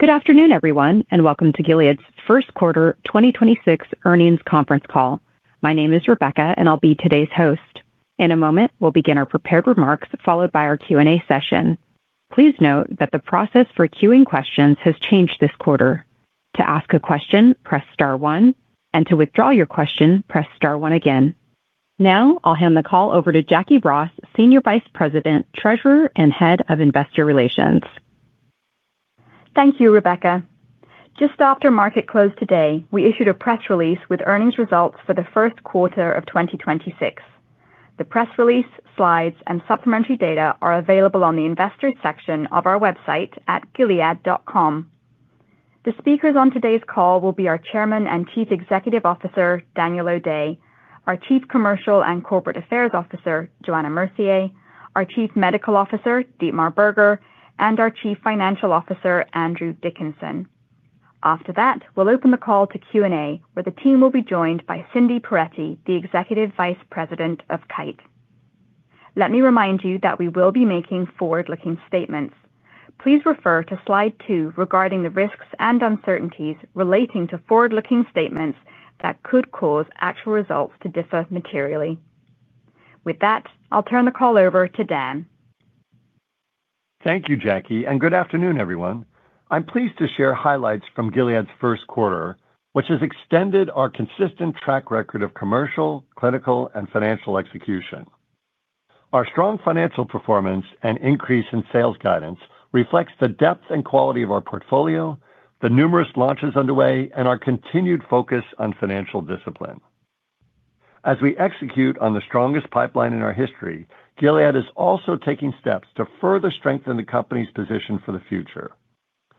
Good afternoon, everyone, welcome to Gilead's first quarter 2026 earnings conference call. My name is Rebecca, I'll be today's host. In a moment, we'll begin our prepared remarks, followed by our Q&A session. Please note that the process for queuing questions has changed this quarter. To ask a question, press star one, and to withdraw your question, press star one again. Now, I'll hand the call over to Jacquie Ross, Senior Vice President, Treasurer, and Head of Investor Relations. Thank you, Rebecca. Just after market close today, we issued a press release with earnings results for the first quarter of 2026. The press release, slides, and supplementary data are available on the Investors section of our website at gilead.com. The speakers on today's call will be our Chairman and Chief Executive Officer, Daniel O'Day; our Chief Commercial and Corporate Affairs Officer, Johanna Mercier; our Chief Medical Officer, Dietmar Berger; and our Chief Financial Officer, Andrew Dickinson. After that, we'll open the call to Q&A, where the team will be joined by Cindy Perettie, the Executive Vice President of Kite. Let me remind you that we will be making forward-looking statements. Please refer to slide two regarding the risks and uncertainties relating to forward-looking statements that could cause actual results to differ materially. With that, I'll turn the call over to Dan. Thank you, Jacquie, and good afternoon, everyone. I'm pleased to share highlights from Gilead's first quarter, which has extended our consistent track record of commercial, clinical, and financial execution. Our strong financial performance and increase in sales guidance reflects the depth and quality of our portfolio, the numerous launches underway, and our continued focus on financial discipline. As we execute on the strongest pipeline in our history, Gilead is also taking steps to further strengthen the company's position for the future.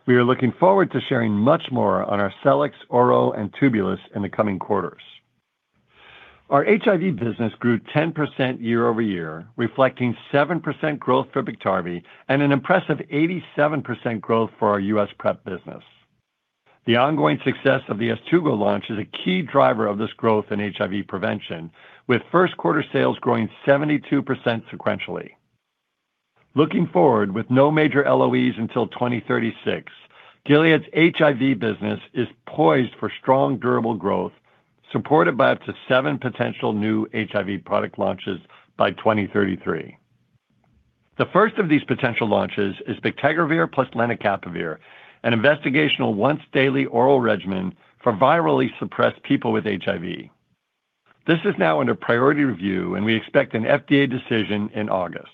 We are looking forward to sharing much more on our Arcellx, Ouro, and Tubulis in the coming quarters. Our HIV business grew 10% year-over-year, reflecting 7% growth for BIKTARVY and an impressive 87% growth for our U.S. PrEP business. The ongoing success of the YEZTUGO launch is a key driver of this growth in HIV prevention, with first quarter sales growing 72% sequentially. Looking forward, with no major LOEs until 2036, Gilead's HIV business is poised for strong, durable growth, supported by up to seven potential new HIV product launches by 2033. The first of these potential launches is bictegravir + lenacapavir, an investigational once-daily oral regimen for virally suppressed people with HIV. This is now under priority review, and we expect an FDA decision in August.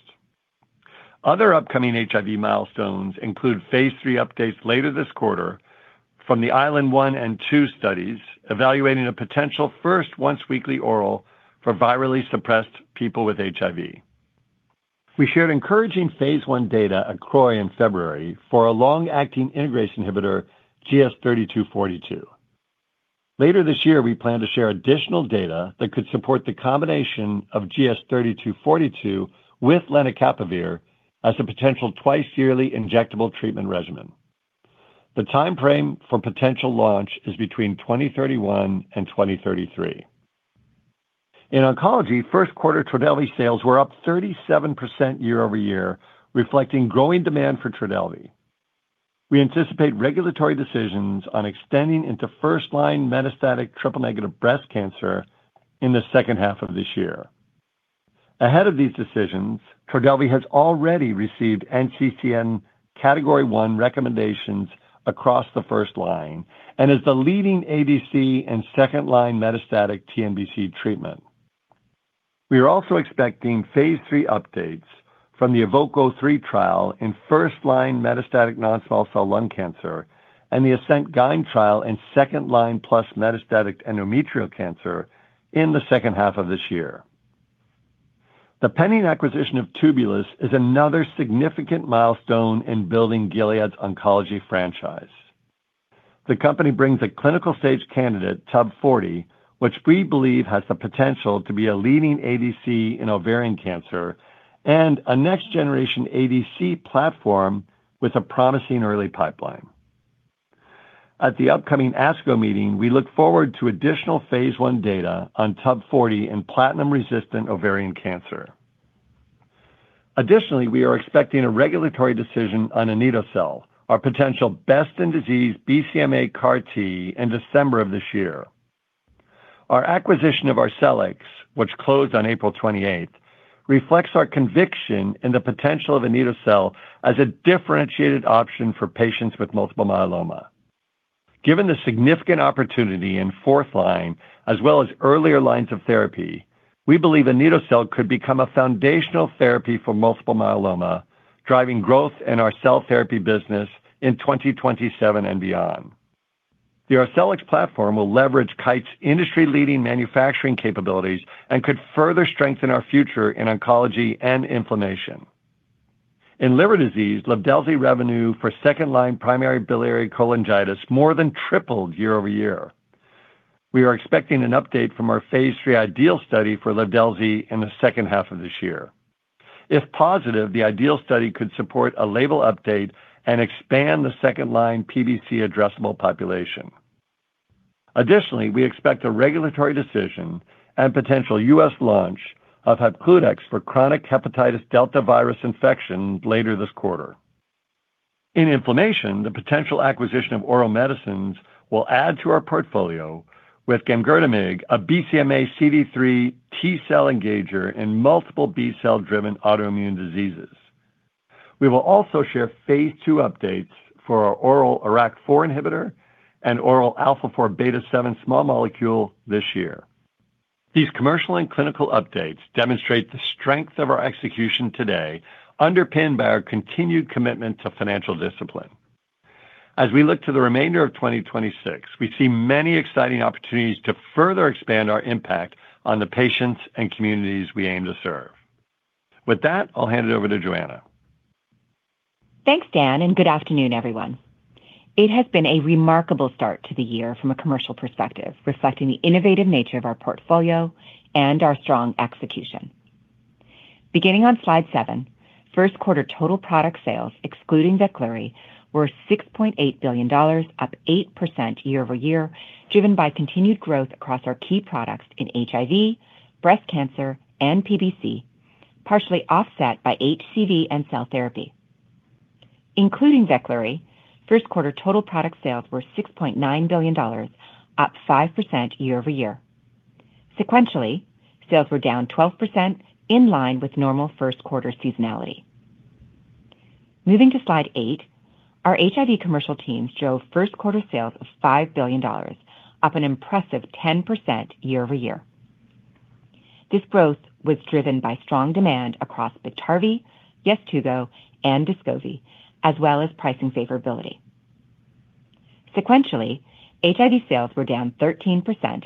Other upcoming HIV milestones include phase III updates later this quarter from the ISLEND-1 and ISLEND-2 studies evaluating a potential first once-weekly oral for virally suppressed people with HIV. We shared encouraging phase I data at CROI in February for a long-acting integrase inhibitor, GS-3242. Later this year, we plan to share additional data that could support the combination of GS-3242 with lenacapavir as a potential twice-yearly injectable treatment regimen. The timeframe for potential launch is between 2031 and 2033. In oncology, first quarter TRODELVY sales were up 37% year-over-year, reflecting growing demand for TRODELVY. We anticipate regulatory decisions on extending into first-line metastatic triple-negative breast cancer in the second half of this year. Ahead of these decisions, TRODELVY has already received NCCN Category 1 recommendation across the first-line and is the leading ADC in second-line metastatic TNBC treatment. We are also expecting phase III updates from the EVOKE-03 trial in first-line metastatic non-small cell lung cancer and the ASCENT-GYN trial in second-line plus metastatic endometrial cancer in the second half of this year. The pending acquisition of Tubulis is another significant milestone in building Gilead's oncology franchise. The company brings a clinical-stage candidate, TUB-040, which we believe has the potential to be a leading ADC in ovarian cancer and a next-generation ADC platform with a promising early pipeline. At the upcoming ASCO meeting, we look forward to additional phase I data on TUB-040 in platinum-resistant ovarian cancer. Additionally, we are expecting a regulatory decision on Anito-cel, our potential best-in-disease BCMA CAR-T in December of this year. Our acquisition of Arcellx, which closed on April 28th, reflects our conviction in the potential of Anito-cel as a differentiated option for patients with multiple myeloma. Given the significant opportunity in fourth-line as well as earlier lines of therapy, we believe Anito-cel could become a foundational therapy for multiple myeloma, driving growth in our cell therapy business in 2027 and beyond. The Arcellx platform will leverage Kite's industry-leading manufacturing capabilities and could further strengthen our future in oncology and inflammation. In liver disease, LIVDELZI revenue for second-line primary biliary cholangitis more than tripled year-over-year. We are expecting an update from our phase III IDEAL study for LIVDELZI in the second half of this year. If positive, the IDEAL study could support a label update and expand the second-line PBC addressable population. Additionally, we expect a regulatory decision and potential U.S. launch of HEPCLUDEX for chronic hepatitis delta virus infection later this quarter. In inflammation, the potential acquisition of Ouro Medicines will add to our portfolio with gamgertamig, a BCMAxCD3 T cell engager in multiple B cell-driven autoimmune diseases. We will also share phase II updates for our oral IRAK4 inhibitor and oral α4β7 small molecule this year. These commercial and clinical updates demonstrate the strength of our execution today, underpinned by our continued commitment to financial discipline. As we look to the remainder of 2026, we see many exciting opportunities to further expand our impact on the patients and communities we aim to serve. With that, I'll hand it over to Johanna. Thanks, Dan, and good afternoon, everyone. It has been a remarkable start to the year from a commercial perspective, reflecting the innovative nature of our portfolio and our strong execution. Beginning on slide seven, first quarter total product sales, excluding VEKLURY, were $6.8 billion, up 8% year-over-year, driven by continued growth across our key products in HIV, breast cancer, and PBC, partially offset by HCV and cell therapy. Including VEKLURY, first quarter total product sales were $6.9 billion, up 5% year-over-year. Sequentially, sales were down 12% in line with normal first quarter seasonality. Moving to slide eight, our HIV commercial teams drove first quarter sales of $5 billion, up an impressive 10% year-over-year. This growth was driven by strong demand across BIKTARVY, YEZTUGO, and DESCOVY, as well as pricing favorability. Sequentially, HIV sales were down 13%,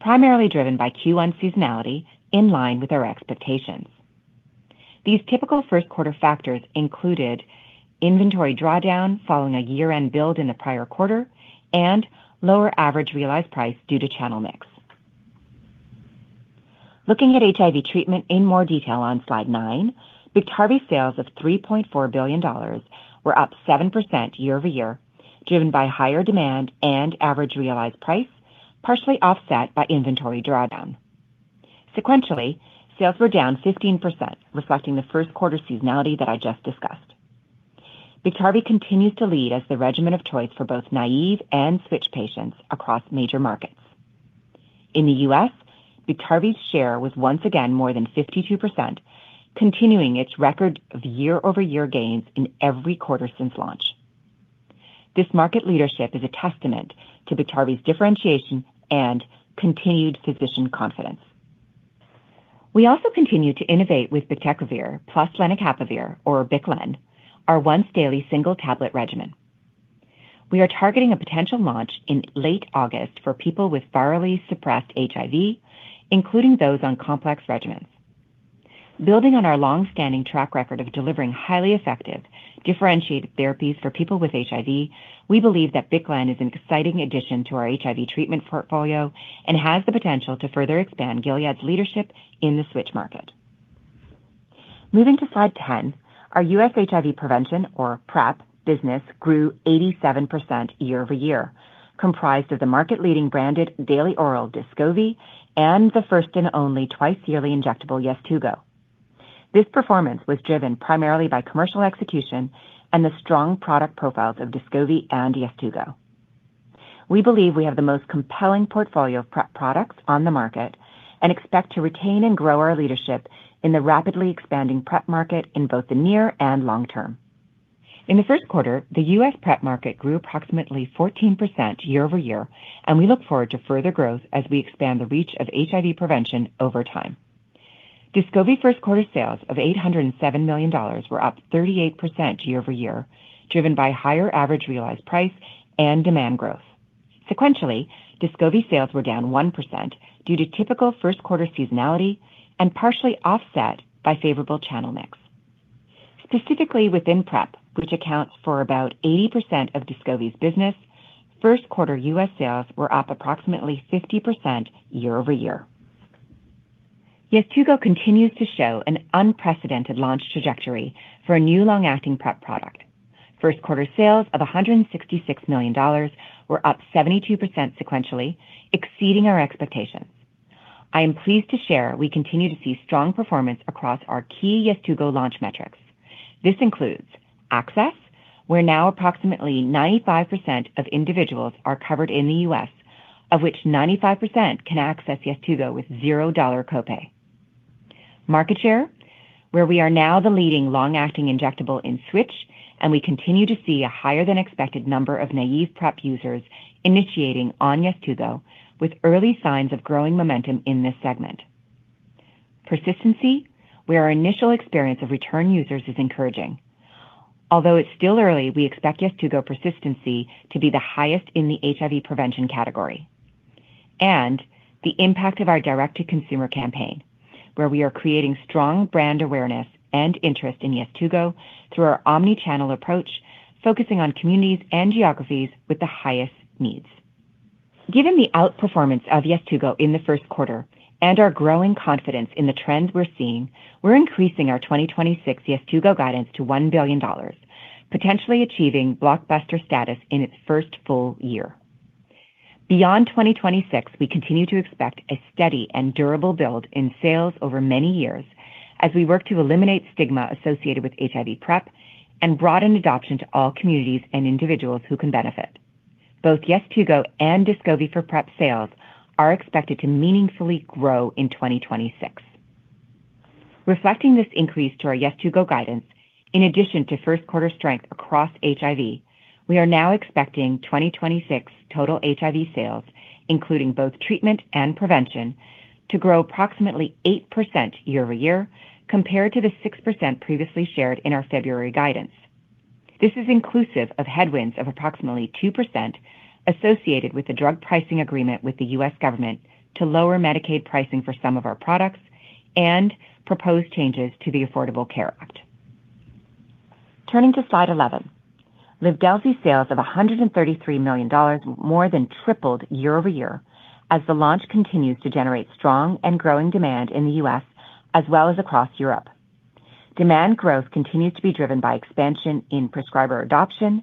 primarily driven by Q1 seasonality in line with our expectations. These typical first quarter factors included inventory drawdown following a year-end build in the prior quarter and lower average realized price due to channel mix. Looking at HIV treatment in more detail on slide nine, BIKTARVY sales of $3.4 billion were up 7% year-over-year, driven by higher demand and average realized price, partially offset by inventory drawdown. Sequentially, sales were down 15%, reflecting the first quarter seasonality that I just discussed. BIKTARVY continues to lead as the regimen of choice for both naïve and switch patients across major markets. In the U.S., BIKTARVY's share was once again more than 52%, continuing its record of year-over-year gains in every quarter since launch. This market leadership is a testament to BIKTARVY's differentiation and continued physician confidence. We also continue to innovate with bictegravir + lenacapavir, or BIC/LEN, our once-daily single-tablet regimen. We are targeting a potential launch in late August for people with virally suppressed HIV, including those on complex regimens. Building on our long-standing track record of delivering highly effective, differentiated therapies for people with HIV, we believe that BIC/LEN is an exciting addition to our HIV treatment portfolio and has the potential to further expand Gilead's leadership in the switch market. Moving to slide 10, our U.S. HIV prevention or PrEP business grew 87% year-over-year, comprised of the market-leading branded daily oral DESCOVY and the first and only twice-yearly injectable YEZTUGO. This performance was driven primarily by commercial execution and the strong product profiles of DESCOVY and YEZTUGO. We believe we have the most compelling portfolio of PrEP products on the market and expect to retain and grow our leadership in the rapidly expanding PrEP market in both the near and long term. In the first quarter, the U.S. PrEP market grew approximately 14% year-over-year, and we look forward to further growth as we expand the reach of HIV prevention over time. DESCOVY first quarter sales of $807 million were up 38% year-over-year, driven by higher average realized price and demand growth. Sequentially, DESCOVY sales were down 1% due to typical first quarter seasonality and partially offset by favorable channel mix. Specifically within PrEP, which accounts for about 80% of DESCOVY's business, first quarter U.S. sales were up approximately 50% year-over-year. YEZTUGO continues to show an unprecedented launch trajectory for a new long-acting PrEP product. First quarter sales of $166 million were up 72% sequentially, exceeding our expectations. I am pleased to share we continue to see strong performance across our key YEZTUGO launch metrics. This includes access, where now approximately 95% of individuals are covered in the U.S., of which 95% can access YEZTUGO with $0 copay. Market share, where we are now the leading long-acting injectable in switch, we continue to see a higher than expected number of naïve PrEP users initiating on YEZTUGO with early signs of growing momentum in this segment. Persistency, where our initial experience of return users is encouraging. Although it is still early, we expect YEZTUGO persistency to be the highest in the HIV prevention category. The impact of our direct-to-consumer campaign, where we are creating strong brand awareness and interest in YEZTUGO through our omni-channel approach, focusing on communities and geographies with the highest needs. Given the outperformance of YEZTUGO in the first quarter and our growing confidence in the trends we're seeing, we're increasing our 2026 YEZTUGO guidance to $1 billion, potentially achieving blockbuster status in its first full year. Beyond 2026, we continue to expect a steady and durable build in sales over many years as we work to eliminate stigma associated with HIV PrEP and broaden adoption to all communities and individuals who can benefit. Both YEZTUGO and DESCOVY for PrEP sales are expected to meaningfully grow in 2026. Reflecting this increase to our YEZTUGO guidance, in addition to first quarter strength across HIV, we are now expecting 2026 total HIV sales, including both treatment and prevention, to grow approximately 8% year-over-year compared to the 6% previously shared in our February guidance. This is inclusive of headwinds of approximately 2% associated with the drug pricing agreement with the U.S. government to lower Medicaid pricing for some of our products and proposed changes to the Affordable Care Act. Turning to slide 11, LIVDELZI sales of $133 million more than tripled year-over-year as the launch continues to generate strong and growing demand in the U.S. as well as across Europe. Demand growth continues to be driven by expansion in prescriber adoption,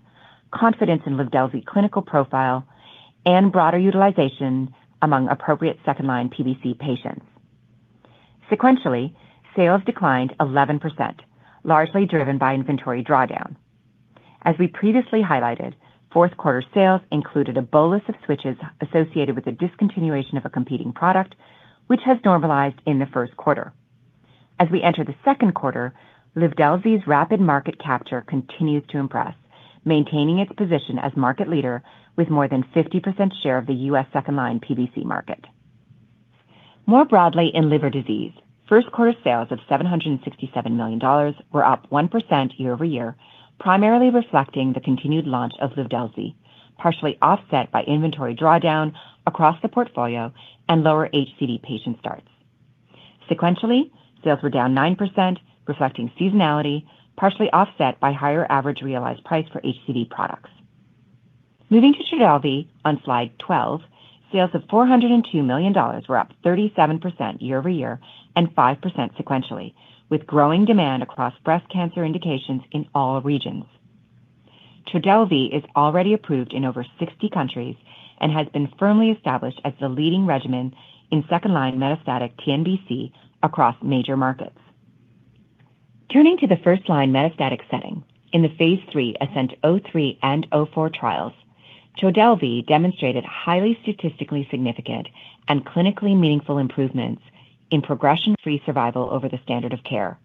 confidence in LIVDELZI clinical profile, and broader utilization among appropriate second-line PBC patients. Sequentially, sales declined 11%, largely driven by inventory drawdown. As we previously highlighted, fourth quarter sales included a bolus of switches associated with the discontinuation of a competing product, which has normalized in the first quarter. As we enter the second quarter, LIVDELZI's rapid market capture continues to impress, maintaining its position as market leader with more than 50% share of the U.S. second-line PBC market. More broadly in liver disease, first quarter sales of $767 million were up 1% year-over-year, primarily reflecting the continued launch of LIVDELZI, partially offset by inventory drawdown across the portfolio and lower HCV patient starts. Sequentially, sales were down 9%, reflecting seasonality, partially offset by higher average realized price for HCV products. Moving to TRODELVY on slide 12, sales of $402 million were up 37% year-over-year and 5% sequentially, with growing demand across breast cancer indications in all regions. TRODELVY is already approved in over 60 countries and has been firmly established as the leading regimen in second-line metastatic TNBC across major markets. Turning to the first-line metastatic setting, in the phase III ASCENT-03 and ASCENT-04 trials, TRODELVY demonstrated highly statistically significant and clinically meaningful improvements in progression-free survival over the standard of care,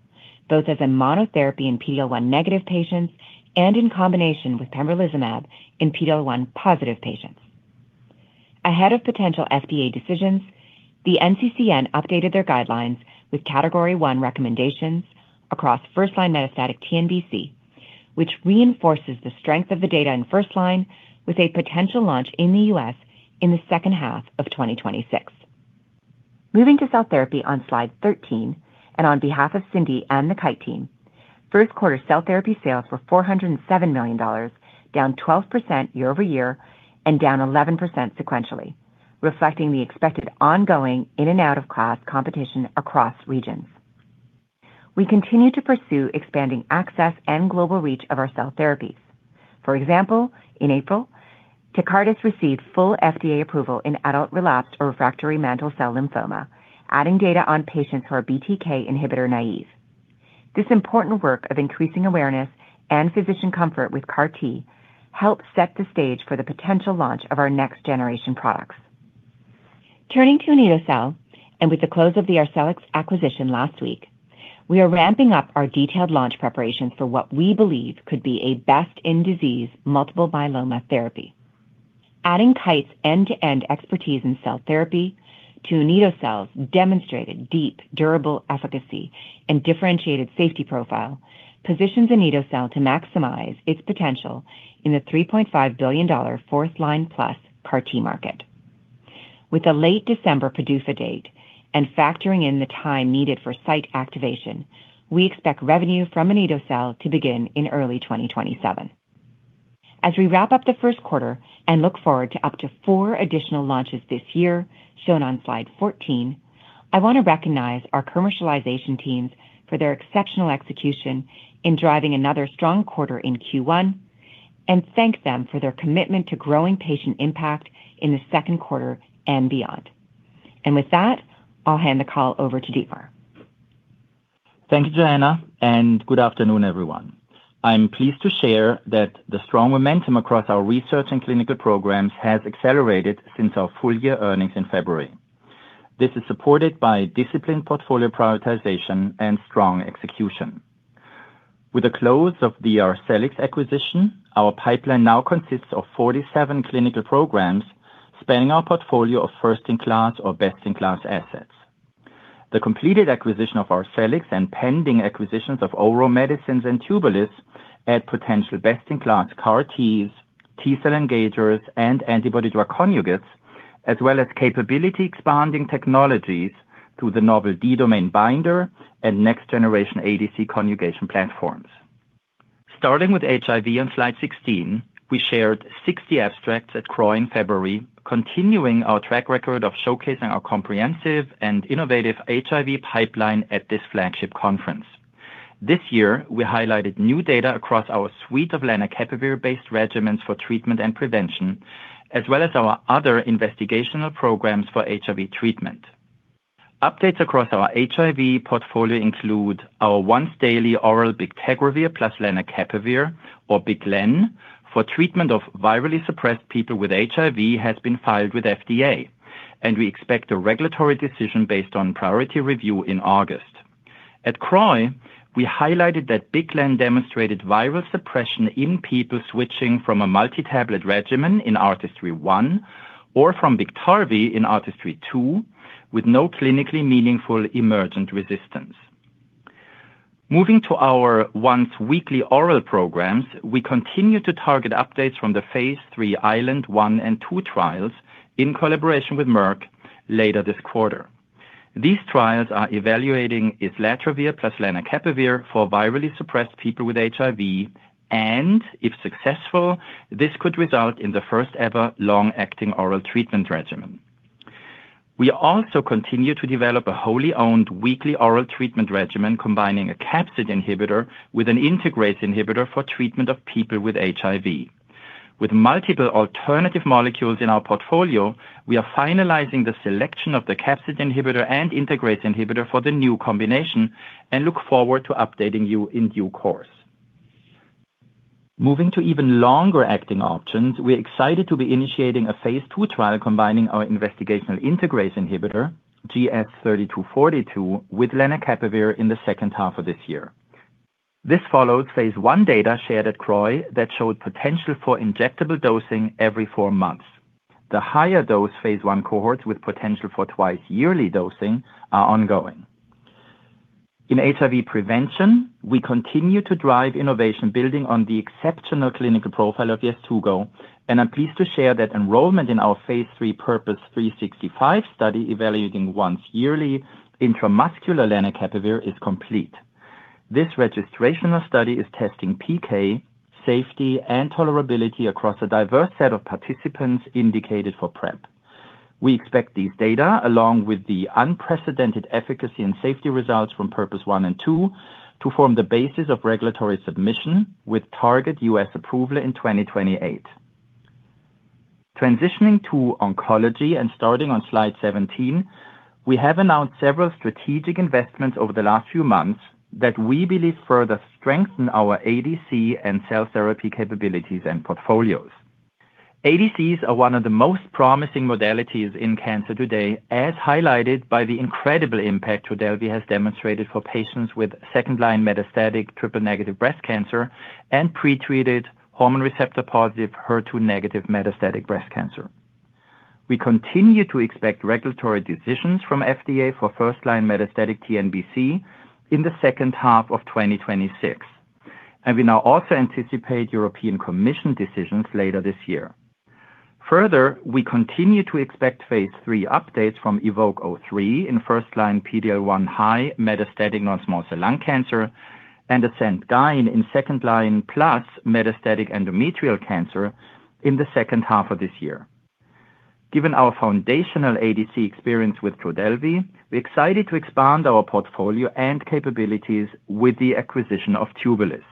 both as a monotherapy in PD-L1 negative patients and in combination with pembrolizumab in PD-L1 positive patients. Ahead of potential FDA decisions, the NCCN updated their guidelines with Category 1 recommendation across first-line metastatic TNBC, which reinforces the strength of the data in first-line with a potential launch in the U.S. in the second half of 2026. Moving to cell therapy on slide 13 and on behalf of Cindy and the Kite team, first quarter cell therapy sales were $407 million, down 12% year-over-year and down 11% sequentially, reflecting the expected ongoing in-class and out-of-class competition across regions. We continue to pursue expanding access and global reach of our cell therapies. For example, in April, TECARTUS received full FDA approval in adult relapsed or refractory mantle cell lymphoma, adding data on patients who are BTK inhibitor naïve. This important work of increasing awareness and physician comfort with CAR-T helped set the stage for the potential launch of our next-generation products. Turning to Anito-cel, and with the close of the Arcellx acquisition last week, we are ramping up our detailed launch preparations for what we believe could be a best-in-disease multiple myeloma therapy. Adding Kite's end-to-end expertise in cell therapy to Anito-cel's demonstrated deep, durable efficacy and differentiated safety profile positions Anito-cel to maximize its potential in the $3.5 billion fourth-line plus CAR-T market. With a late December PDUFA date and factoring in the time needed for site activation, we expect revenue from Anito-cel to begin in early 2027. As we wrap up the first quarter and look forward to up to four additional launches this year, shown on slide 14, I want to recognize our commercialization teams for their exceptional execution in driving another strong quarter in Q1 and thank them for their commitment to growing patient impact in the second quarter and beyond. With that, I'll hand the call over to Dietmar. Thank you, Johanna, and good afternoon, everyone. I'm pleased to share that the strong momentum across our research and clinical programs has accelerated since our full year earnings in February. This is supported by disciplined portfolio prioritization and strong execution. With the close of the Arcellx acquisition, our pipeline now consists of 47 clinical programs spanning our portfolio of first-in-class or best-in-class assets. The completed acquisition of Arcellx and pending acquisitions of Ouro Medicines and Tubulis add potential best in class CAR-Ts, T cell engagers, and antibody drug conjugates, as well as capability expanding technologies to the novel D-Domain binder and next-generation ADC conjugation platforms. Starting with HIV on slide 16, we shared 60 abstracts at CROI in February, continuing our track record of showcasing our comprehensive and innovative HIV pipeline at this flagship conference. This year, we highlighted new data across our suite of lenacapavir-based regimens for treatment and prevention, as well as our other investigational programs for HIV treatment. Updates across our HIV portfolio include our once daily oral bictegravir + lenacapavir or BIC/LEN for treatment of virally suppressed people with HIV has been filed with FDA, and we expect a regulatory decision based on priority review in August. At CROI, we highlighted that BIC/LEN demonstrated viral suppression in people switching from a multi-tablet regimen in ARTISTRY-1 or from BIKTARVY in ARTISTRY-2 with no clinically meaningful emergent resistance. Moving to our once-weekly oral programs, we continue to target updates from the phase III ISLEND-1 and ISLEND-2 trials in collaboration with Merck later this quarter. These trials are evaluating islatravir + lenacapavir for virally suppressed people with HIV. If successful, this could result in the first-ever long-acting oral treatment regimen. We also continue to develop a wholly-owned weekly oral treatment regimen combining a capsid inhibitor with an integrase inhibitor for treatment of people with HIV. With multiple alternative molecules in our portfolio, we are finalizing the selection of the capsid inhibitor and integrase inhibitor for the new combination and look forward to updating you in due course. Moving to even longer-acting options, we are excited to be initiating a phase II trial combining our investigational integrase inhibitor, GS-3242, with lenacapavir in the second half of this year. This follows phase I data shared at CROI that showed potential for injectable dosing every four months. The higher dose phase I cohorts with potential for twice-yearly dosing are ongoing. In HIV prevention, we continue to drive innovation building on the exceptional clinical profile of YEZTUGO, and I'm pleased to share that enrollment in our phase III PURPOSE 365 study evaluating once-yearly intramuscular lenacapavir is complete. This registrational study is testing PK, safety, and tolerability across a diverse set of participants indicated for PrEP. We expect these data, along with the unprecedented efficacy and safety results from PURPOSE 1 and PURPOSE 2, to form the basis of regulatory submission with target U.S. approval in 2028. Transitioning to oncology and starting on slide 17, we have announced several strategic investments over the last few months that we believe further strengthen our ADC and cell therapy capabilities and portfolios. ADCs are one of the most promising modalities in cancer today, as highlighted by the incredible impact TRODELVY has demonstrated for patients with second-line metastatic triple-negative breast cancer and pre-treated hormone receptor-positive HER2-negative metastatic breast cancer. We continue to expect regulatory decisions from FDA for first-line metastatic TNBC in the second half of 2026, and we now also anticipate European Commission decisions later this year. Further, we continue to expect Phase III updates from EVOKE-03 in first-line PD-L1 high metastatic non-small cell lung cancer and ASCENT-GYN in second-line plus metastatic endometrial cancer in the second half of this year. Given our foundational ADC experience with TRODELVY, we are excited to expand our portfolio and capabilities with the acquisition of Tubulis.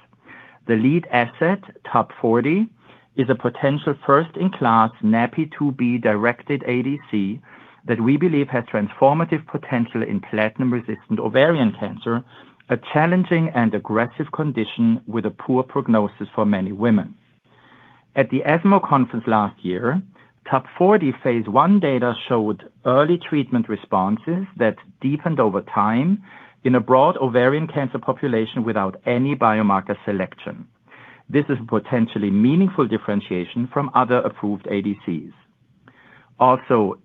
The lead asset, TUB-040, is a potential first-in-class NaPi2b-directed ADC that we believe has transformative potential in platinum-resistant ovarian cancer, a challenging and aggressive condition with a poor prognosis for many women. At the ESMO conference last year, TUB-040 phase I data showed early treatment responses that deepened over time in a broad ovarian cancer population without any biomarker selection. This is potentially meaningful differentiation from other approved ADCs.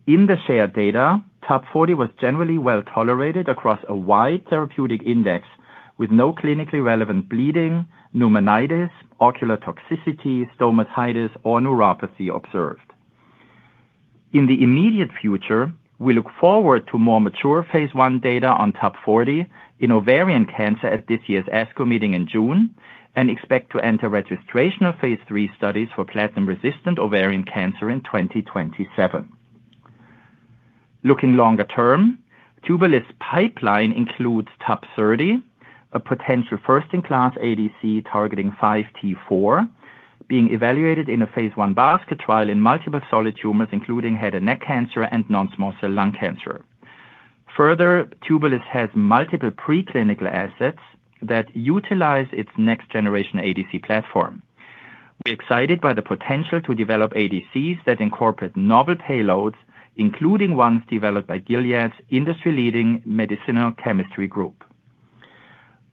In the shared data, TUB-040 was generally well-tolerated across a wide therapeutic index with no clinically relevant bleeding, pneumonitis, ocular toxicity, stomatitis, or neuropathy observed. In the immediate future, we look forward to more mature phase I data on TUB-040 in ovarian cancer at this year's ASCO meeting in June and expect to enter registrational phase III studies for platinum-resistant ovarian cancer in 2027. Looking longer term, Tubulis' pipeline includes TUB-030, a potential first-in-class ADC targeting 5T4, being evaluated in a phase I basket trial in multiple solid tumors, including head and neck cancer and non-small cell lung cancer. Further, Tubulis has multiple preclinical assets that utilize its next-generation ADC platform. We're excited by the potential to develop ADCs that incorporate novel payloads, including ones developed by Gilead's industry-leading medicinal chemistry group.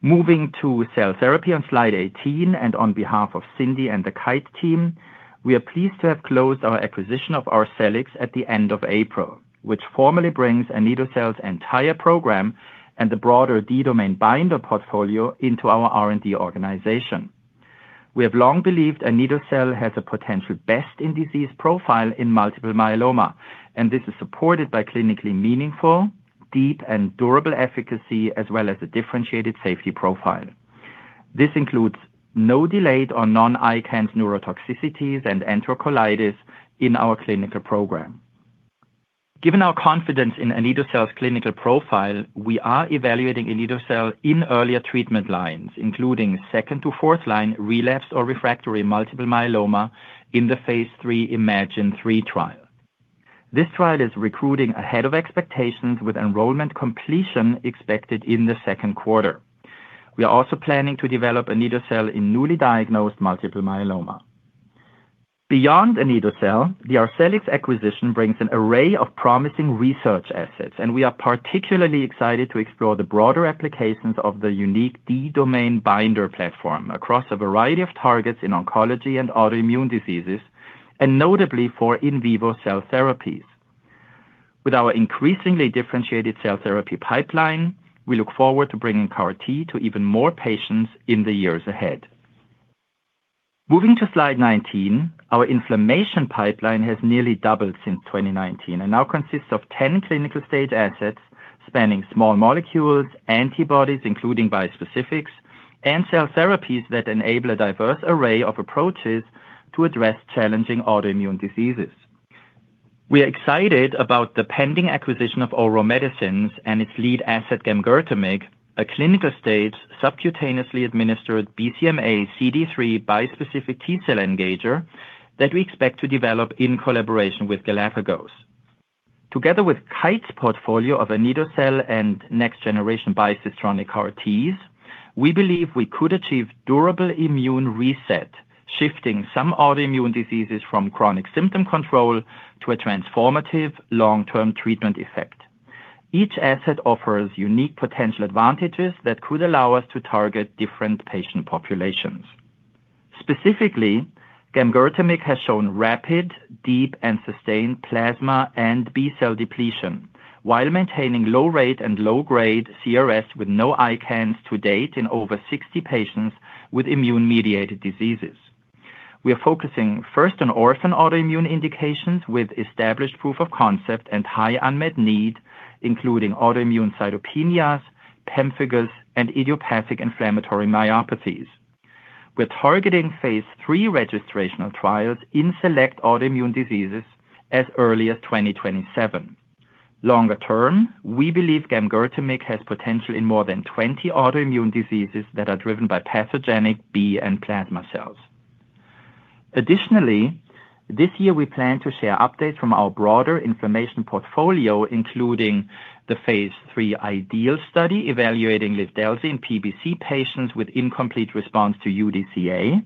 Moving to cell therapy on slide 18 and on behalf of Cindy and the Kite team, we are pleased to have closed our acquisition of Arcellx at the end of April, which formally brings Anito-cel's entire program and the broader D-Domain binder portfolio into our R&D organization. We have long believed Anito-cel has a potential best-in-disease profile in multiple myeloma, and this is supported by clinically meaningful, deep, and durable efficacy as well as a differentiated safety profile. This includes no delayed or non-ICANS neurotoxicities and enterocolitis in our clinical program. Given our confidence in Anito-cel's clinical profile, we are evaluating Anito-cel in earlier treatment lines, including second- to fourth-line relapse or refractory multiple myeloma in the phase III iMMagine-3 trial. This trial is recruiting ahead of expectations with enrollment completion expected in the second quarter. We are also planning to develop Anito-cel in newly diagnosed multiple myeloma. Beyond Anito-cel, the Arcellx acquisition brings an array of promising research assets, and we are particularly excited to explore the broader applications of the unique D-Domain binder platform across a variety of targets in oncology and autoimmune diseases, and notably for in vivo cell therapies. With our increasingly differentiated cell therapy pipeline, we look forward to bringing CAR-T to even more patients in the years ahead. Moving to slide 19, our inflammation pipeline has nearly doubled since 2019 and now consists of 10 clinical stage assets spanning small molecules, antibodies, including bispecifics and cell therapies that enable a diverse array of approaches to address challenging autoimmune diseases. We are excited about the pending acquisition of Ouro Medicines and its lead asset gamgertamig, a clinical-stage subcutaneously administered BCMAxCD3 bispecific T cell engager that we expect to develop in collaboration with Galapagos. Together with Kite's portfolio of Anito-cel and next-generation bispecific CAR-Ts, we believe we could achieve durable immune reset, shifting some autoimmune diseases from chronic symptom control to a transformative long-term treatment effect. Each asset offers unique potential advantages that could allow us to target different patient populations. Specifically, gamgertamig has shown rapid, deep, and sustained plasma and B cell depletion while maintaining low rate and low-grade CRS with no ICANS to date in over 60 patients with immune-mediated diseases. We are focusing first on orphan autoimmune indications with established proof of concept and high unmet need, including autoimmune cytopenias, pemphigus, and idiopathic inflammatory myopathies. We're targeting phase III registrational trials in select autoimmune diseases as early as 2027. Longer term, we believe gamgertamig has potential in more than 20 autoimmune diseases that are driven by pathogenic B and plasma cells. Additionally, this year we plan to share updates from our broader inflammation portfolio, including the phase III IDEAL study evaluating LIVDELZI in PBC patients with incomplete response to UDCA,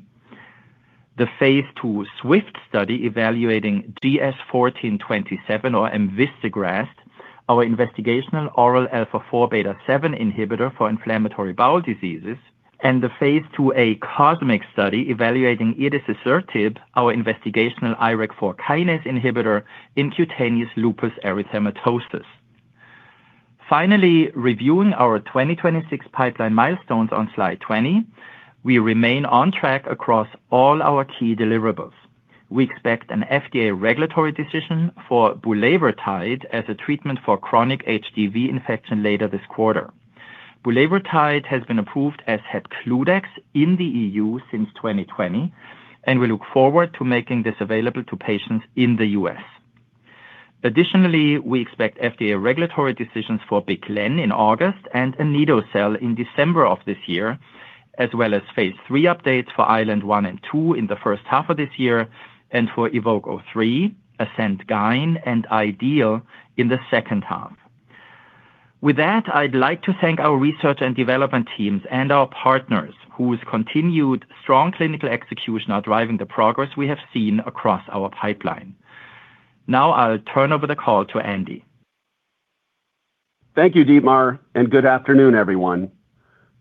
the phase II SWIFT study evaluating GS-1427 or emvistegrast, our investigational oral α4β7 inhibitor for inflammatory bowel diseases, and the phase II-A COSMIC study evaluating edecesertib, our investigational IRAK4 kinase inhibitor in cutaneous lupus erythematosus. Reviewing our 2026 pipeline milestones on slide 20, we remain on track across all our key deliverables. We expect an FDA regulatory decision for bulevirtide as a treatment for chronic HDV infection later this quarter. Bulevirtide has been approved as HEPCLUDEX in the E.U. since 2020, and we look forward to making this available to patients in the U.S. We expect FDA regulatory decisions for BIC/LEN in August and Anito-cel in December of this year, as well as phase III updates for ISLEND-1 and ISLEND-2 in the first half of this year and for EVOKE-03, ASCENT-GYN, and IDEAL in the second half. With that, I'd like to thank our research and development teams and our partners whose continued strong clinical execution are driving the progress we have seen across our pipeline. I'll turn over the call to Andy. Thank you, Dietmar, and good afternoon, everyone.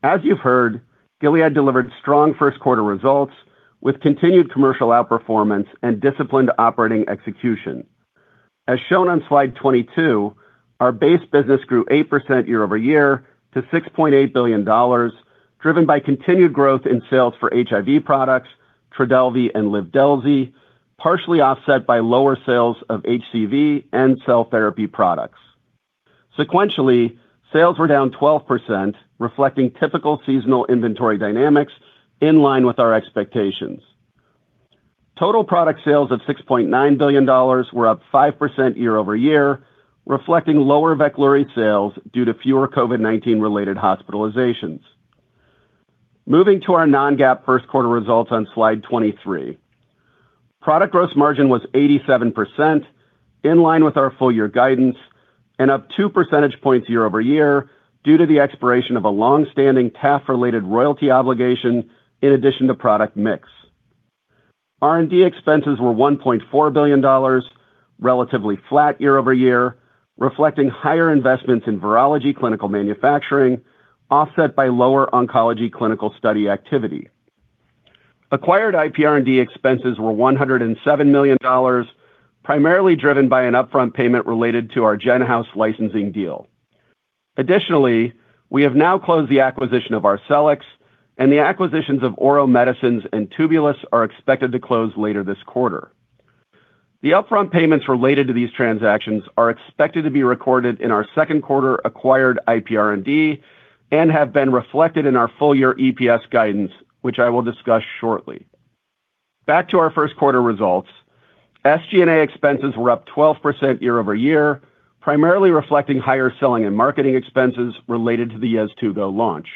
As you've heard, Gilead delivered strong first quarter results with continued commercial outperformance and disciplined operating execution. As shown on slide 22, our base business grew 8% year-over-year to $6.8 billion, driven by continued growth in sales for HIV products, TRODELVY and LIVDELZI, partially offset by lower sales of HCV and cell therapy products. Sequentially, sales were down 12%, reflecting typical seasonal inventory dynamics in line with our expectations. Total product sales of $6.9 billion were up 5% year-over-year, reflecting lower VEKLURY sales due to fewer COVID-19 related hospitalizations. Moving to our non-GAAP first quarter results on slide 23. Product gross margin was 87% in line with our full-year guidance and up 2 percentage points year-over-year due to the expiration of a long-standing TAF-related royalty obligation in addition to product mix. R&D expenses were $1.4 billion, relatively flat year-over-year, reflecting higher investments in virology clinical manufacturing offset by lower oncology clinical study activity. Acquired IPR&D expenses were $107 million, primarily driven by an upfront payment related to our Genhouse licensing deal. We have now closed the acquisition of Arcellx, and the acquisitions of Ouro Medicines and Tubulis are expected to close later this quarter. The upfront payments related to these transactions are expected to be recorded in our second quarter acquired IPR&D and have been reflected in our full-year EPS guidance, which I will discuss shortly. Back to our first quarter results. SG&A expenses were up 12% year-over-year, primarily reflecting higher selling and marketing expenses related to the YEZTUGO launch.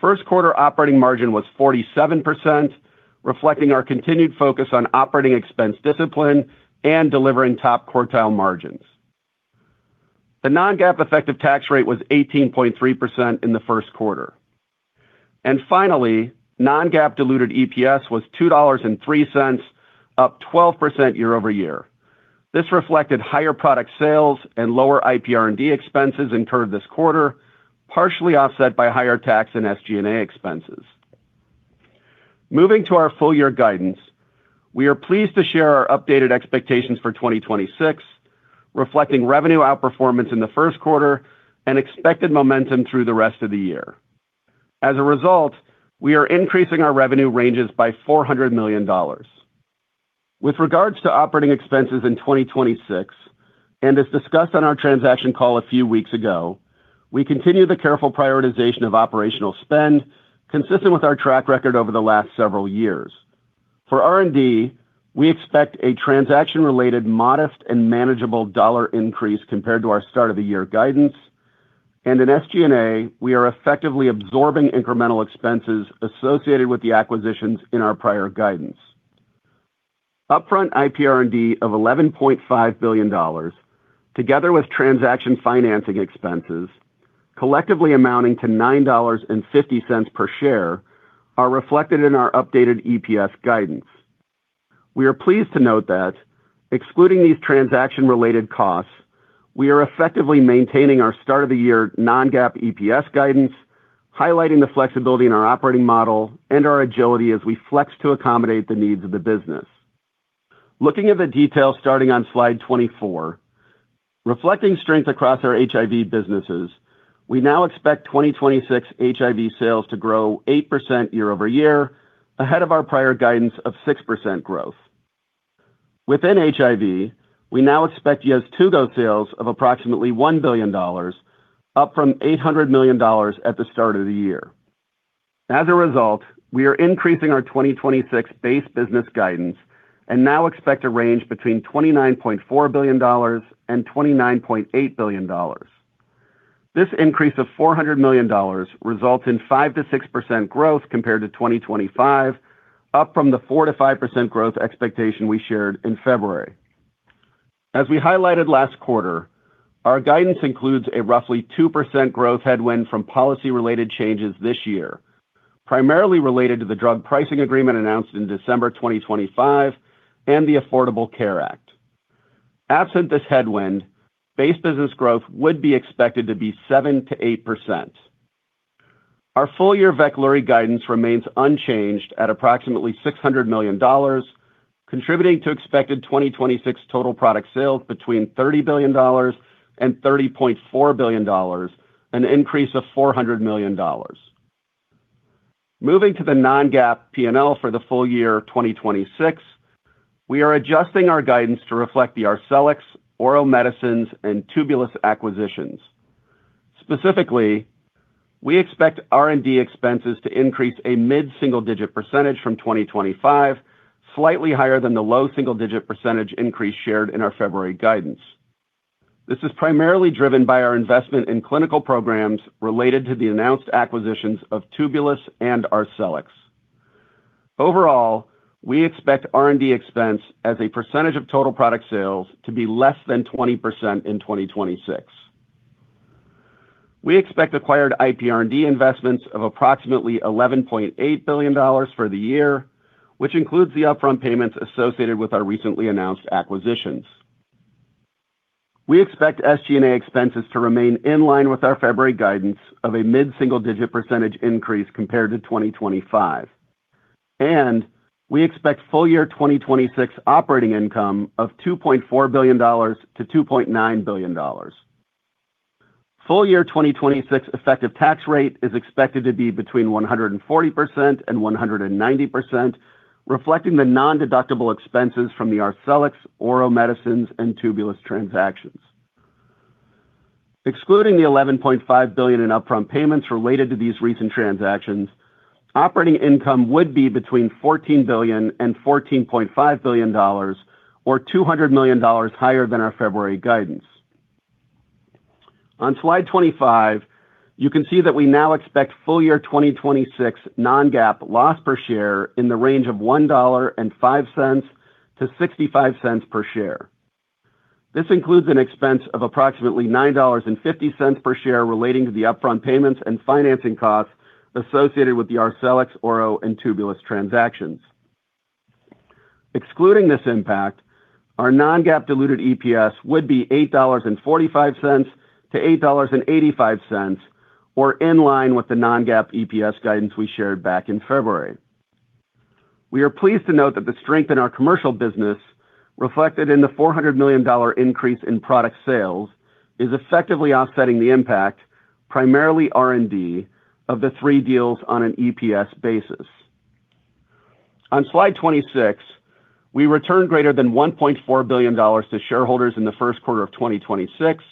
First quarter operating margin was 47%, reflecting our continued focus on operating expense discipline and delivering top quartile margins. The non-GAAP effective tax rate was 18.3% in the first quarter. Finally, non-GAAP diluted EPS was $2.03, up 12% year-over-year. This reflected higher product sales and lower IPR&D expenses incurred this quarter, partially offset by higher tax and SG&A expenses. Moving to our full year guidance, we are pleased to share our updated expectations for 2026, reflecting revenue outperformance in the first quarter and expected momentum through the rest of the year. As a result, we are increasing our revenue ranges by $400 million. With regards to operating expenses in 2026, as discussed on our transaction call a few weeks ago, we continue the careful prioritization of operational spend consistent with our track record over the last several years. For R&D, we expect a transaction-related modest and manageable dollar increase compared to our start of the year guidance. In SG&A, we are effectively absorbing incremental expenses associated with the acquisitions in our prior guidance. Upfront IPR&D of $11.5 billion, together with transaction financing expenses collectively amounting to $9.50 per share, are reflected in our updated EPS guidance. We are pleased to note that excluding these transaction-related costs, we are effectively maintaining our start of the year non-GAAP EPS guidance, highlighting the flexibility in our operating model and our agility as we flex to accommodate the needs of the business. Looking at the details starting on slide 24, reflecting strength across our HIV businesses, we now expect 2026 HIV sales to grow 8% year-over-year, ahead of our prior guidance of 6% growth. Within HIV, we now expect YEZTUGO sales of approximately $1 billion, up from $800 million at the start of the year. As a result, we are increasing our 2026 base business guidance and now expect a range between $29.4 billion-$29.8 billion. This increase of $400 million results in 5%-6% growth compared to 2025, up from the 4%-5% growth expectation we shared in February. As we highlighted last quarter, our guidance includes a roughly 2% growth headwind from policy-related changes this year, primarily related to the drug pricing agreement announced in December 2025 and the Affordable Care Act. Absent this headwind, base business growth would be expected to be 7%-8%. Our full year VEKLURY guidance remains unchanged at approximately $600 million, contributing to expected 2026 total product sales between $30 billion and $30.4 billion, an increase of $400 million. Moving to the non-GAAP P&L for the full year 2026, we are adjusting our guidance to reflect the Arcellx, Ouro Medicines, and Tubulis acquisitions. Specifically, we expect R&D expenses to increase a mid-single-digit percentage from 2025, slightly higher than the low single-digit percentage increase shared in our February guidance. This is primarily driven by our investment in clinical programs related to the announced acquisitions of Tubulis and Arcellx. Overall, we expect R&D expense as a percentage of total product sales to be less than 20% in 2026. We expect acquired IPR&D investments of approximately $11.8 billion for the year, which includes the upfront payments associated with our recently announced acquisitions. We expect SG&A expenses to remain in line with our February guidance of a mid-single-digit percentage increase compared to 2025, and we expect full year 2026 operating income of $2.4 billion-$2.9 billion. Full year 2026 effective tax rate is expected to be between 140% and 190%, reflecting the nondeductible expenses from the Arcellx, Ouro Medicines, and Tubulis transactions. Excluding the $11.5 billion in upfront payments related to these recent transactions, operating income would be between $14 billion and $14.5 billion, or $200 million higher than our February guidance. On slide 25, you can see that we now expect full year 2026 non-GAAP loss per share in the range of $1.05-$0.65 per share. This includes an expense of approximately $9.50 per share relating to the upfront payments and financing costs associated with the Arcellx, Ouro, and Tubulis transactions. Excluding this impact, our non-GAAP diluted EPS would be $8.45-$8.85, or in line with the non-GAAP EPS guidance we shared back in February. We are pleased to note that the strength in our commercial business, reflected in the $400 million increase in product sales, is effectively offsetting the impact, primarily R&D, of the three deals on an EPS basis. On slide 26, we returned greater than $1.4 billion to shareholders in the first quarter of 2026,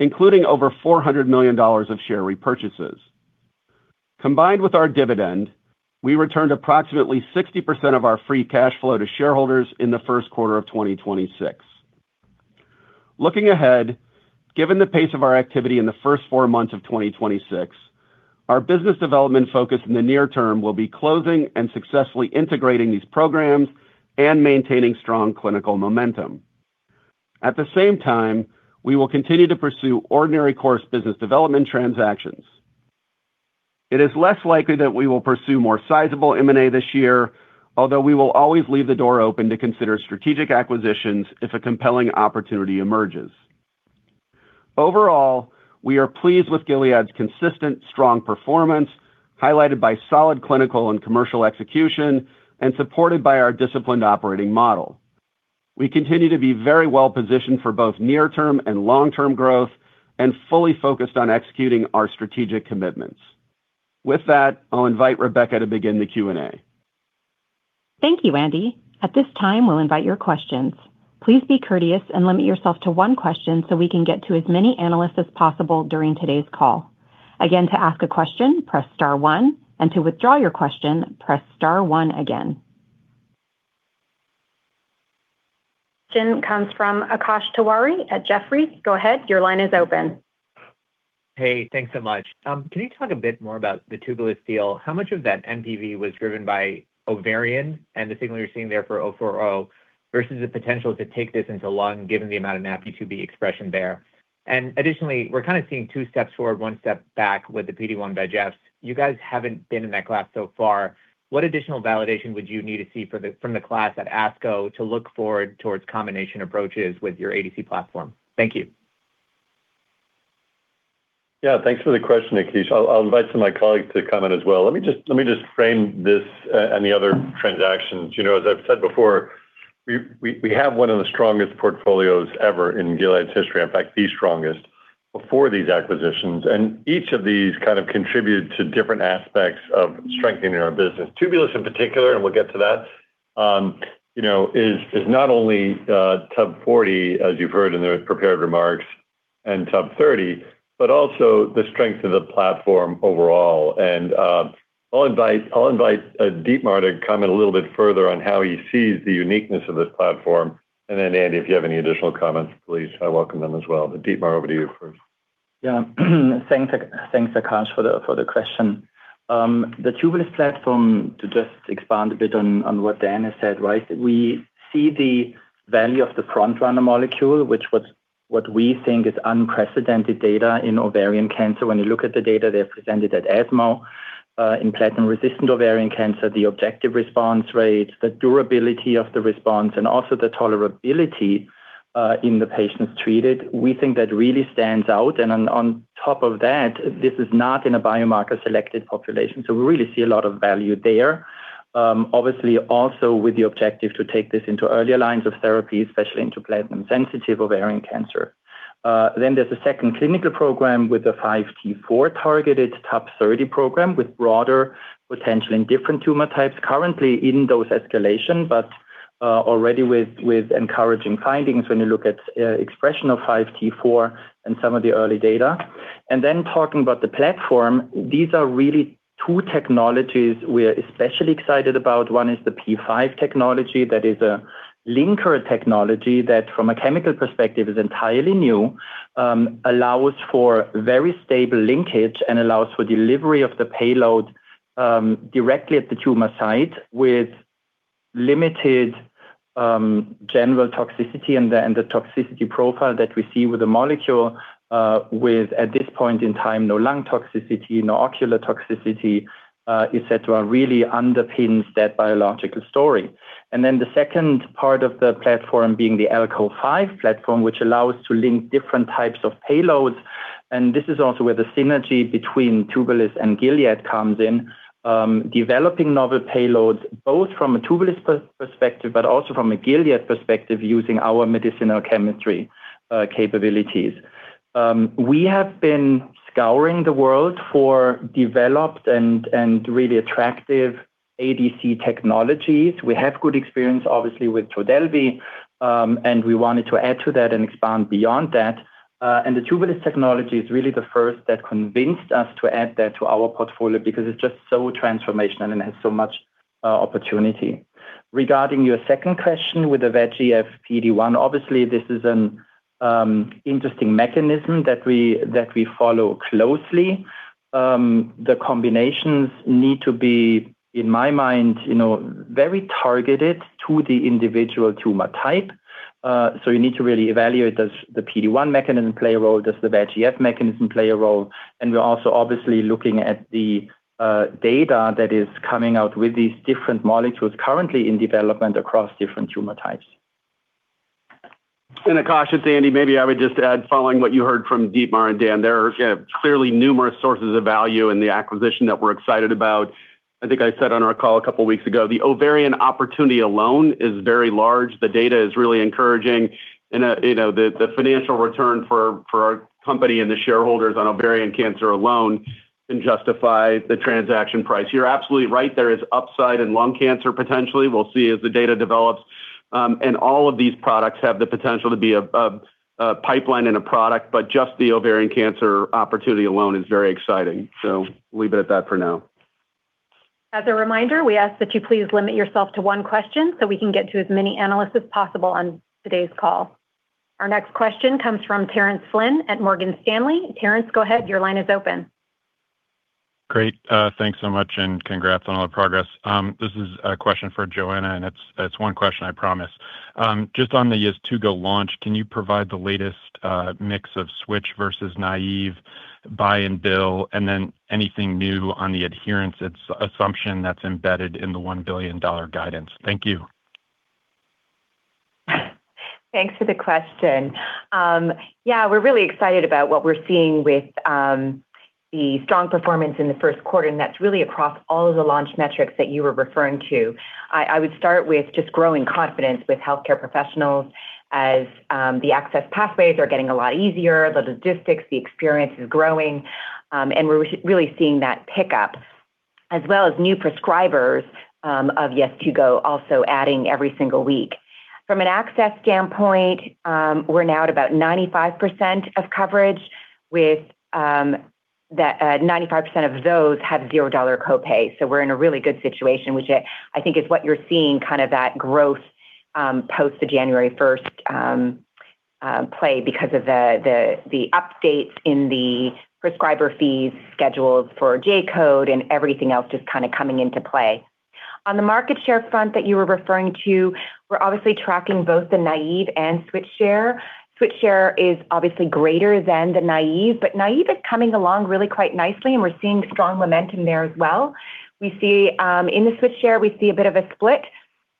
including over $400 million of share repurchases. Combined with our dividend, we returned approximately 60% of our free cash flow to shareholders in the first quarter of 2026. Looking ahead, given the pace of our activity in the first four months of 2026, our business development focus in the near term will be closing and successfully integrating these programs and maintaining strong clinical momentum. At the same time, we will continue to pursue ordinary course business development transactions. It is less likely that we will pursue more sizable M&A this year, although we will always leave the door open to consider strategic acquisitions if a compelling opportunity emerges. Overall, we are pleased with Gilead's consistent strong performance, highlighted by solid clinical and commercial execution and supported by our disciplined operating model. We continue to be very well-positioned for both near-term and long-term growth and fully focused on executing our strategic commitments. With that, I'll invite Rebecca to begin the Q&A. Thank you, Andy. At this time, we'll invite your questions. Please be courteous and limit yourself to one question so we can get to as many analysts as possible during today's call. Again, to ask a question, press star one, and to withdraw your question, press star one again. Our next question comes from Akash Tewari at Jefferies. Go ahead. Your line is open. Hey, thanks so much. Can you talk a bit more about the Tubulis deal? How much of that MPV was driven by ovarian and the signal you're seeing there for TUB-040 versus the potential to take this into lung, given the amount of NaPi2b expression there? Additionally, we're kind of seeing two steps forward, one step back with the PD-1 VEGFs. You guys haven't been in that class so far. What additional validation would you need to see from the class at ASCO to look forward towards combination approaches with your ADC platform? Thank you. Yeah. Thanks for the question, Akash. I'll invite some of my colleagues to comment as well. Let me just frame this and the other transactions. You know, as I've said before, we have one of the strongest portfolios ever in Gilead's history, in fact, the strongest before these acquisitions. Each of these kind of contribute to different aspects of strengthening our business. Tubulis in particular, and we'll get to that, you know, is not only TUB-040, as you've heard in the prepared remarks, and TUB-030, but also the strength of the platform overall. I'll invite Dietmar to comment a little bit further on how he sees the uniqueness of this platform. Andy, if you have any additional comments, please, I welcome them as well. Dietmar, over to you first. Yeah. Thanks, Akash, for the question. The Tubulis platform, to just expand a bit on what Dan has said, right? We see the value of the frontrunner molecule, which was what we think is unprecedented data in ovarian cancer. When you look at the data, they're presented at ESMO in platinum-resistant ovarian cancer, the objective response rate, the durability of the response, and also the tolerability in the patients treated, we think that really stands out. On top of that, this is not in a biomarker selected population, so we really see a lot of value there. Obviously also with the objective to take this into earlier lines of therapy, especially into platinum sensitive ovarian cancer. Then there's a second clinical program with a 5T4-targeted TUB-030 program with broader potential in different tumor types currently in dose escalation, but already with encouraging findings when you look at expression of 5T4 in some of the early data. Talking about the platform, these are really two technologies we are especially excited about. One is the P5 technology that is a linker technology that from a chemical perspective is entirely new, allows for very stable linkage and allows for delivery of the payload directly at the tumor site with limited general toxicity. The toxicity profile that we see with the molecule with at this point in time, no lung toxicity, no ocular toxicity, et cetera, really underpins that biological story. The second part of the platform being the Alco5 platform, which allows to link different types of payloads. This is also where the synergy between Tubulis and Gilead comes in, developing novel payloads both from a Tubulis perspective, but also from a Gilead perspective using our medicinal chemistry capabilities. We have been scouring the world for developed and really attractive ADC technologies. We have good experience, obviously, with TRODELVY, we wanted to add to that and expand beyond that. The Tubulis technology is really the first that convinced us to add that to our portfolio because it's just so transformational and has so much opportunity. Regarding your second question with the VEGF PD-1, obviously, this is an interesting mechanism that we follow closely. The combinations need to be, in my mind, you know, very targeted to the individual tumor type. So you need to really evaluate, does the PD-1 mechanism play a role? Does the VEGF mechanism play a role? We're also obviously looking at the data that is coming out with these different molecules currently in development across different tumor types. Akash, it's Andy, maybe I would just add following what you heard from Dietmar and Dan, there are clearly numerous sources of value in the acquisition that we're excited about. I think I said on our call a couple weeks ago, the ovarian opportunity alone is very large. The data is really encouraging. You know, the financial return for our company and the shareholders on ovarian cancer alone can justify the transaction price. You're absolutely right. There is upside in lung cancer, potentially. We'll see as the data develops. All of these products have the potential to be a pipeline and a product, just the ovarian cancer opportunity alone is very exciting. We'll leave it at that for now. As a reminder, we ask that you please limit yourself to one question so we can get to as many analysts as possible on today's call. Our next question comes from Terence Flynn at Morgan Stanley. Terence, go ahead. Your line is open. Great. Thanks so much, and congrats on all the progress. This is a question for Johanna, and it's one question, I promise. Just on the YEZTUGO launch, can you provide the latest mix of switch versus naïve buy-and-bill? Anything new on the adherence, it's assumption that's embedded in the $1 billion guidance? Thank you. Thanks for the question. We're really excited about what we're seeing with the strong performance in the first quarter, and that's really across all of the launch metrics that you were referring to. I would start with just growing confidence with healthcare professionals as the access pathways are getting a lot easier, the logistics, the experience is growing. We're really seeing that pick up as well as new prescribers of YEZTUGO also adding every single week. From an access standpoint, we're now at about 95% of coverage with the 95% of those have $0 copay. We're in a really good situation, which I think is what you're seeing kind of that growth post the January 1st play because of the updates in the prescriber fees schedules for J-code and everything else just kind of coming into play. On the market share front that you were referring to, we're obviously tracking both the naïve and switch share. Switch share is obviously greater than the naïve, but naïve is coming along really quite nicely, and we're seeing strong momentum there as well. We see in the switch share, we see a bit of a split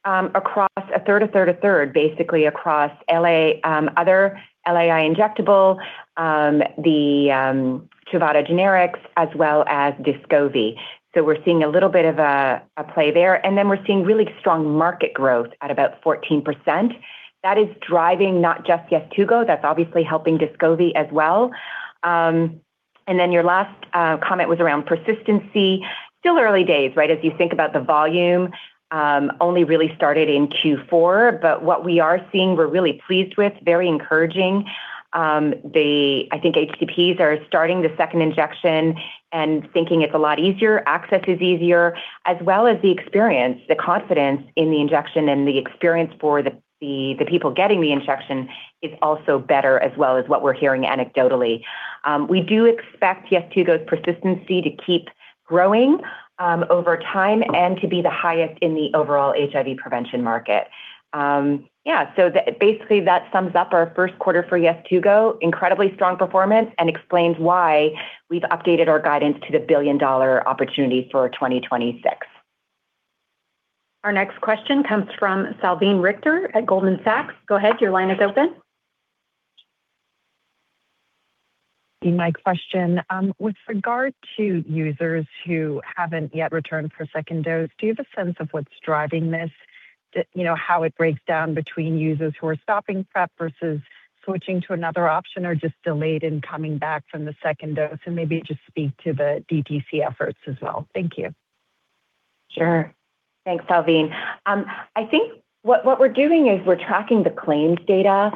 across 1/3, 1/3, 1/3, basically across LA, other LAI injectable, the TRUVADA generics, as well as DESCOVY. We're seeing a little bit of a play there. We're seeing really strong market growth at about 14%. That is driving not just YEZTUGO, that's obviously helping DESCOVY as well. Your last comment was around persistency. Still early days, right? If you think about the volume, only really started in Q4. What we are seeing, we're really pleased with, very encouraging. HCPs are starting the second injection and thinking it's a lot easier, access is easier, as well as the experience, the confidence in the injection and the experience for the people getting the injection is also better as well, is what we're hearing anecdotally. We do expect YEZTUGO's persistency to keep growing over time and to be the highest in the overall HIV prevention market. Basically that sums up our first quarter for YEZTUGO. Incredibly strong performance explains why we've updated our guidance to the billion-dollar opportunity for 2026. Our next question comes from Salveen Richter at Goldman Sachs. Go ahead. Your line is open. My question, with regard to users who haven't yet returned for a second dose, do you have a sense of what's driving this? You know, how it breaks down between users who are stopping PrEP versus switching to another option or just delayed in coming back from the second dose? Maybe just speak to the DTC efforts as well. Thank you. Sure. Thanks, Salveen. I think what we're doing is we're tracking the claims data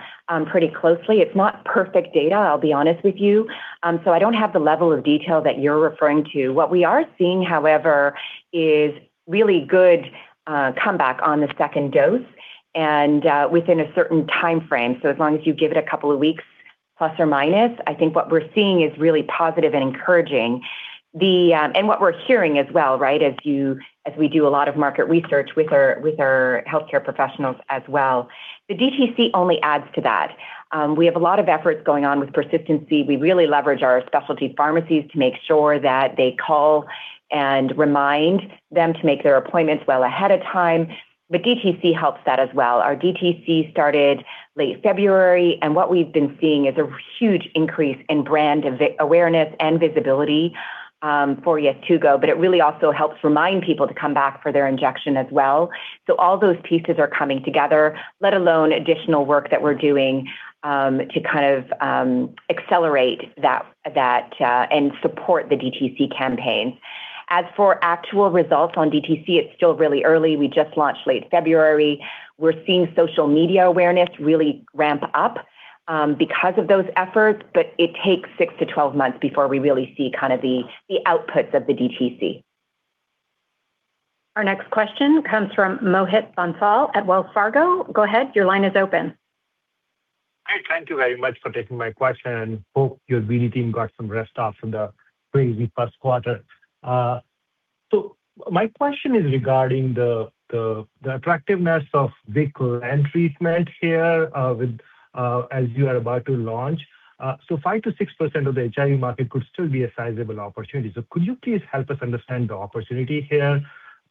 pretty closely. It's not perfect data, I'll be honest with you. I don't have the level of detail that you're referring to. What we are seeing, however, is really good comeback on the second dose and within a certain timeframe. As long as you give it a couple of weeks, plus or minus, I think what we're seeing is really positive and encouraging. What we're hearing as well, right? As we do a lot of market research with our healthcare professionals as well. The DTC only adds to that. We have a lot of efforts going on with persistency. We really leverage our specialty pharmacies to make sure that they call and remind them to make their appointments well ahead of time. The DTC helps that as well. Our DTC started late February, what we've been seeing is a huge increase in brand awareness and visibility for YEZTUGO. It really also helps remind people to come back for their injection as well. All those pieces are coming together, let alone additional work that we're doing to kind of accelerate that and support the DTC campaign. As for actual results on DTC, it's still really early. We just launched late February. We're seeing social media awareness really ramp up because of those efforts, but it takes six to 12 months before we really see kind of the outputs of the DTC. Our next question comes from Mohit Bansal at Wells Fargo. Go ahead. Your line is open. Great. Thank you very much for taking my question. Hope your BD team got some rest off from the crazy first quarter. My question is regarding the attractiveness of BIC/LEN treatment here, as you are about to launch. 5%-6% of the HIV market could still be a sizable opportunity. Could you please help us understand the opportunity here,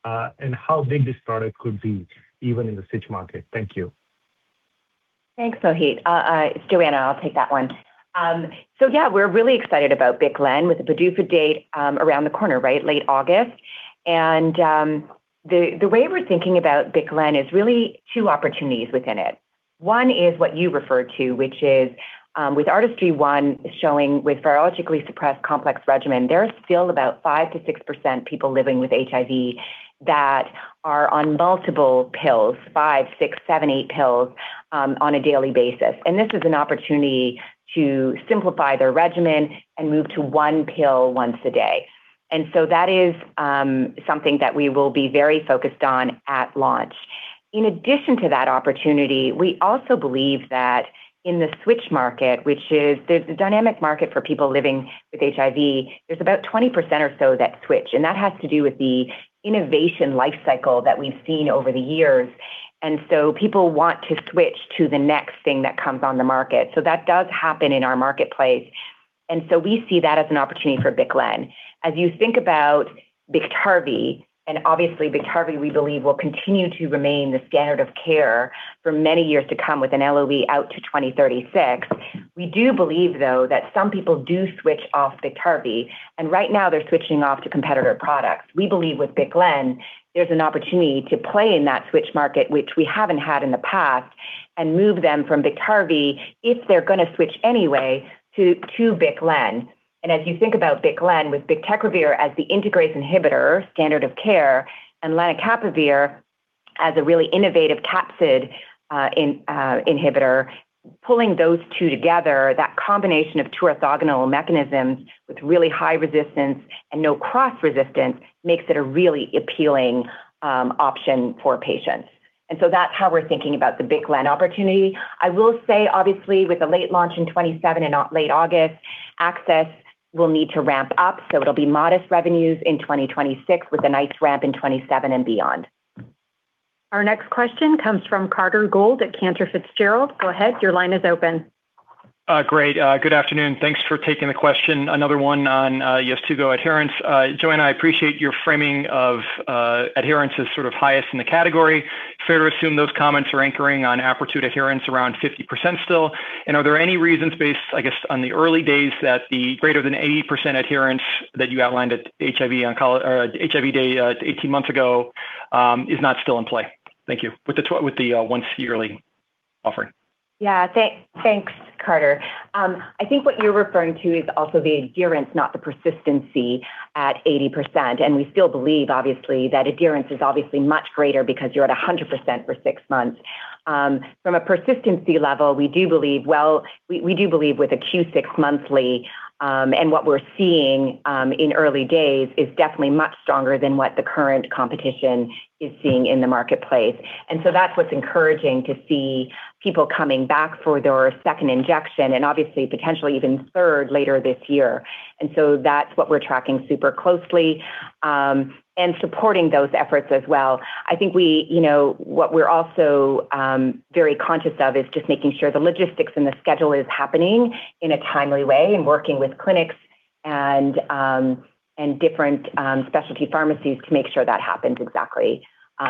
and how big this product could be even in the switch market? Thank you. Thanks, Mohit. It's Johanna. I'll take that one. Yeah, we're really excited about BIC/LEN with the PDUFA date around the corner, right, late August. The way we're thinking about BIC/LEN is really two opportunities within it. One is what you referred to, which is with ARTISTRY-1 showing with virologically-suppressed complex regimen, there are still about 5%-6% people living with HIV that are on multiple pills, five, six, seven, eight pills on a daily basis. This is an opportunity to simplify their regimen and move to one pill once a day. That is something that we will be very focused on at launch. In addition to that opportunity, we also believe that in the switch market, which is the dynamic market for people living with HIV, there's about 20% or so that switch. That has to do with the innovation life cycle that we've seen over the years. People want to switch to the next thing that comes on the market. That does happen in our marketplace. We see that as an opportunity for BIC/LEN. As you think about BIKTARVY, and obviously BIKTARVY we believe will continue to remain the standard of care for many years to come with an LOE out to 2036. We do believe, though, that some people do switch off BIKTARVY, and right now they're switching off to competitor products. We believe with BIC/LEN, there's an opportunity to play in that switch market, which we haven't had in the past, and move them from BIKTARVY, if they're gonna switch anyway, to BIC/LEN. As you think about BIC/LEN with bictegravir as the integrase inhibitor standard of care and lenacapavir as a really innovative capsid inhibitor, pulling those two together, that combination of two orthogonal mechanisms with really high resistance and no cross-resistance makes it a really appealing option for patients. That's how we're thinking about the BIC/LEN opportunity. I will say, obviously, with a late launch in 2027 and not late August, access will need to ramp up, so it'll be modest revenues in 2026 with a nice ramp in 2027 and beyond. Our next question comes from Carter Gould at Cantor Fitzgerald. Go ahead. Your line is open. Great. Good afternoon. Thanks for taking the question. Another one on YEZTUGO adherence. Johanna, I appreciate your framing of adherence as sort of highest in the category. Fair to assume those comments are anchoring on APRETUDE adherence around 50% still? Are there any reasons based, I guess, on the early days that the greater than 80% adherence that you outlined at HIV Day, 18 months ago, is not still in play? Thank you. With the once yearly offering. Yeah. Thanks, Carter. I think what you're referring to is also the adherence, not the persistency at 80%. We still believe, obviously, that adherence is obviously much greater because you're at 100% for six months. From a persistency level, we do believe with a Q6M monthly, what we're seeing in early days is definitely much stronger than what the current competition is seeing in the marketplace. That's what's encouraging to see people coming back for their second injection and obviously potentially even third later this year. That's what we're tracking super closely and supporting those efforts as well. I think we, you know, what we're also very conscious of is just making sure the logistics and the schedule is happening in a timely way and working with clinics and different specialty pharmacies to make sure that happens exactly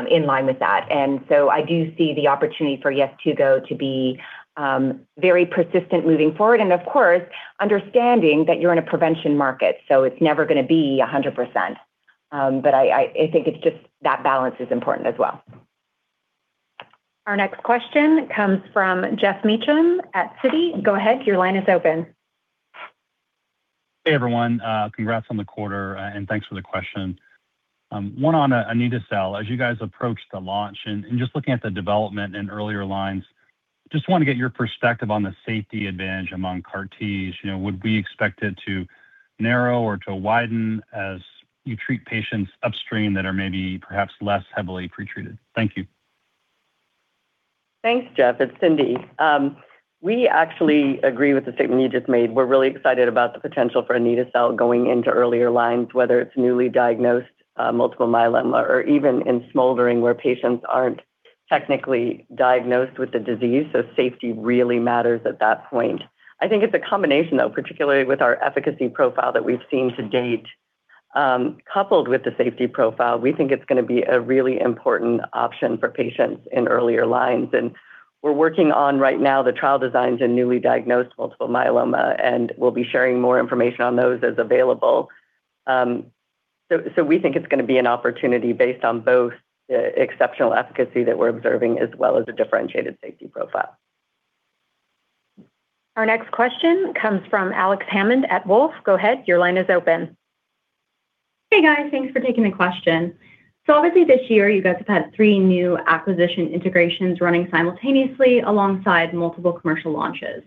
in line with that. I do see the opportunity for YEZTUGO to be very persistent moving forward. Of course, understanding that you're in a prevention market, so it's never gonna be 100%. I think it's just that balance is important as well. Our next question comes from Geoff Meacham at Citi. Go ahead. Your line is open. Hey, everyone. Congrats on the quarter, thanks for the question. One on Anito-cel. As you guys approach the launch and just looking at the development in earlier lines, just wanna get your perspective on the safety advantage among CAR-Ts. You know, would we expect it to narrow or to widen as you treat patients upstream that are maybe perhaps less heavily pretreated? Thank you. Thanks, Geoff. It's Cindy. We actually agree with the statement you just made. We're really excited about the potential for Anito-cel going into earlier lines, whether it's newly diagnosed multiple myeloma or even in smoldering where patients aren't technically diagnosed with the disease. Safety really matters at that point. I think it's a combination though, particularly with our efficacy profile that we've seen to date, coupled with the safety profile. We think it's going to be a really important option for patients in earlier lines. We're working on right now the trial designs in newly diagnosed multiple myeloma, and we'll be sharing more information on those as available. We think it's going to be an opportunity based on both the exceptional efficacy that we're observing as well as a differentiated safety profile. Our next question comes from Alex Hammond at Wolfe. Go ahead. Your line is open. Hey, guys. Thanks for taking the question. Obviously this year you guys have had three new acquisition integrations running simultaneously alongside multiple commercial launches.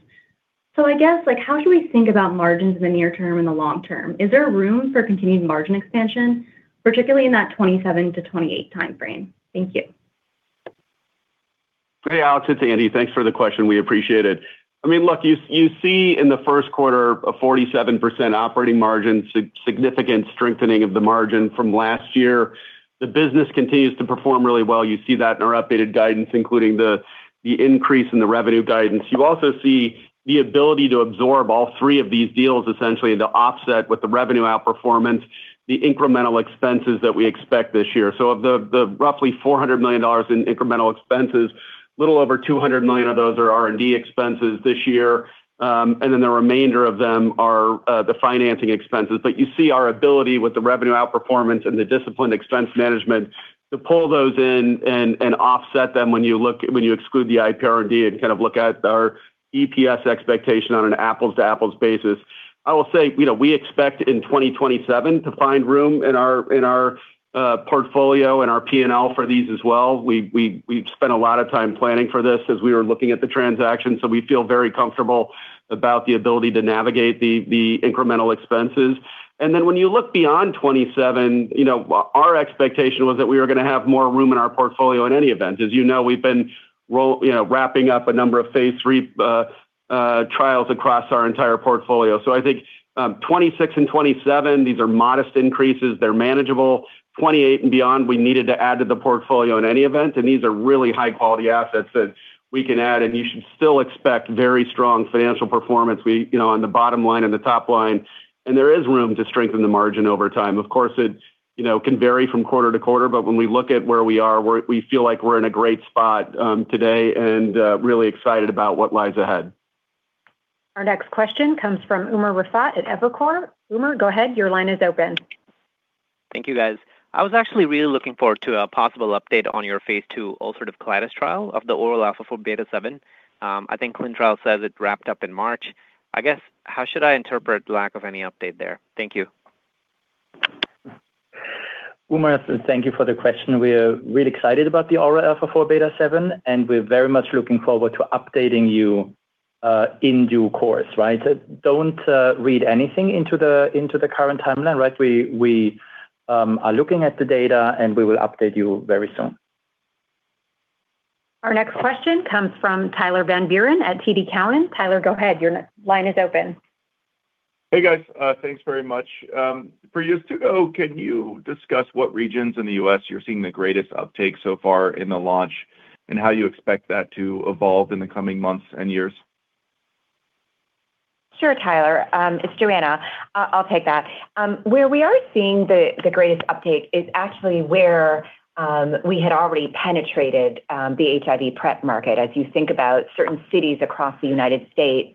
I guess, like, how should we think about margins in the near-term and the long-term? Is there room for continued margin expansion, particularly in that 2027-2028 timeframe? Thank you. Hey, Alex. It's Andy. Thanks for the question. We appreciate it. I mean, look, you see in the first quarter a 47% operating margin, significant strengthening of the margin from last year. The business continues to perform really well. You see that in our updated guidance, including the increase in the revenue guidance. You also see the ability to absorb all three of these deals, essentially to offset with the revenue outperformance, the incremental expenses that we expect this year. Of the roughly $400 million in incremental expenses, a little over $200 million of those are R&D expenses this year. The remainder of them are the financing expenses. You see our ability with the revenue outperformance and the disciplined expense management To pull those in and offset them when you exclude the IPR&D and kind of look at our EPS expectation on an apples-to-apples basis. I will say, you know, we expect in 2027 to find room in our portfolio and our P&L for these as well. We've spent a lot of time planning for this as we were looking at the transaction. We feel very comfortable about the ability to navigate the incremental expenses. When you look beyond 2027, you know, our expectation was that we were going to have more room in our portfolio in any event. As you know, we've been wrapping up a number of phase III trials across our entire portfolio. I think 2026 and 2027, these are modest increases. They're manageable. 2028 and beyond, we needed to add to the portfolio in any event. These are really high-quality assets that we can add. You should still expect very strong financial performance. We, you know, on the bottom-line and the top-line. There is room to strengthen the margin over time. Of course, it, you know, can vary from quarter to quarter. When we look at where we are, we feel like we're in a great spot today and really excited about what lies ahead. Our next question comes from Umer Raffat at Evercore. Umer, go ahead. Your line is open. Thank you, guys. I was actually really looking forward to a possible update on your phase II ulcerative colitis trial of the oral α4β7. I think ClinicalTrials.gov says it wrapped up in March. I guess, how should I interpret lack of any update there? Thank you. Umer, thank you for the question. We are really excited about the oral α4β7, and we're very much looking forward to updating you in due course, right? Don't read anything into the current timeline, right? We are looking at the data, and we will update you very soon. Our next question comes from Tyler Van Buren at TD Cowen. Tyler, go ahead. Your line is open. Hey, guys. Thanks very much. can you discuss what regions in the U.S. you're seeing the greatest uptake so far in the launch and how you expect that to evolve in the coming months and years? Sure, Tyler. It's Johanna. I'll take that. Where we are seeing the greatest uptake is actually where we had already penetrated the HIV PrEP market. As you think about certain cities across the U.S.,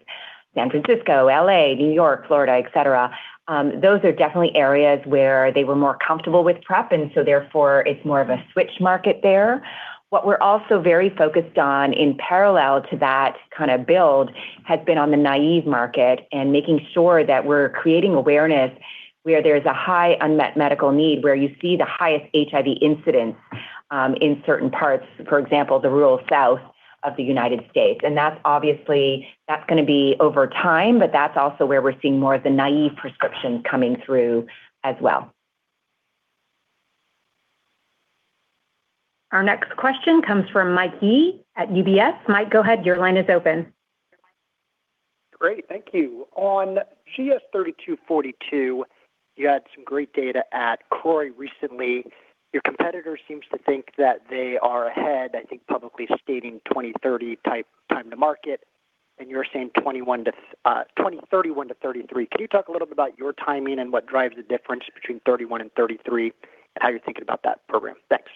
San Francisco, L.A., New York, Florida, et cetera, those are definitely areas where they were more comfortable with PrEP, and so therefore, it's more of a switch market there. What we're also very focused on in parallel to that kind of build has been on the naïve market and making sure that we're creating awareness where there's a high unmet medical need, where you see the highest HIV incidence in certain parts, for example, the rural South of the U.S. That's obviously, that's going to be over time, but that's also where we're seeing more of the naïve prescriptions coming through as well. Our next question comes from Mike Yee at UBS. Mike, go ahead. Your line is open. Great. Thank you. On GS-3242, you had some great data at CROI recently. Your competitor seems to think that they are ahead, I think publicly stating 2030 type time to market, and you're saying 2031 to 2033. Can you talk a little bit about your timing and what drives the difference between 2031 and 2033 and how you're thinking about that program? Thanks.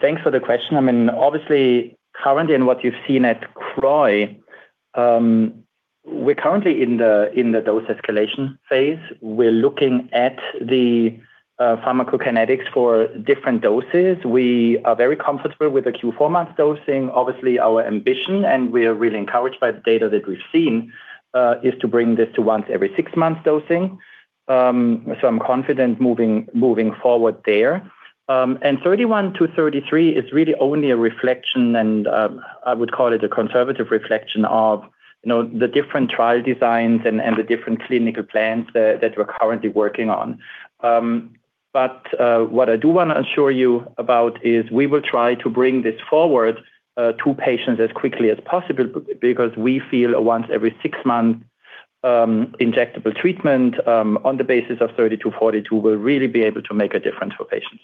Thanks for the question. I mean, obviously, currently and what you've seen at CROI, we're currently in the dose escalation phase. We're looking at the pharmacokinetics for different doses. We are very comfortable with the Q4-month dosing. Obviously, our ambition, and we're really encouraged by the data that we've seen, is to bring this to once every six months dosing. I'm confident moving forward there. 2031 to 2033 is really only a reflection, and I would call it a conservative reflection of, you know, the different trial designs and the different clinical plans that we're currently working on. What I do want to assure you about is we will try to bring this forward to patients as quickly as possible because we feel a once-every-six-month injectable treatment on the basis of GS-3242 will really be able to make a difference for patients.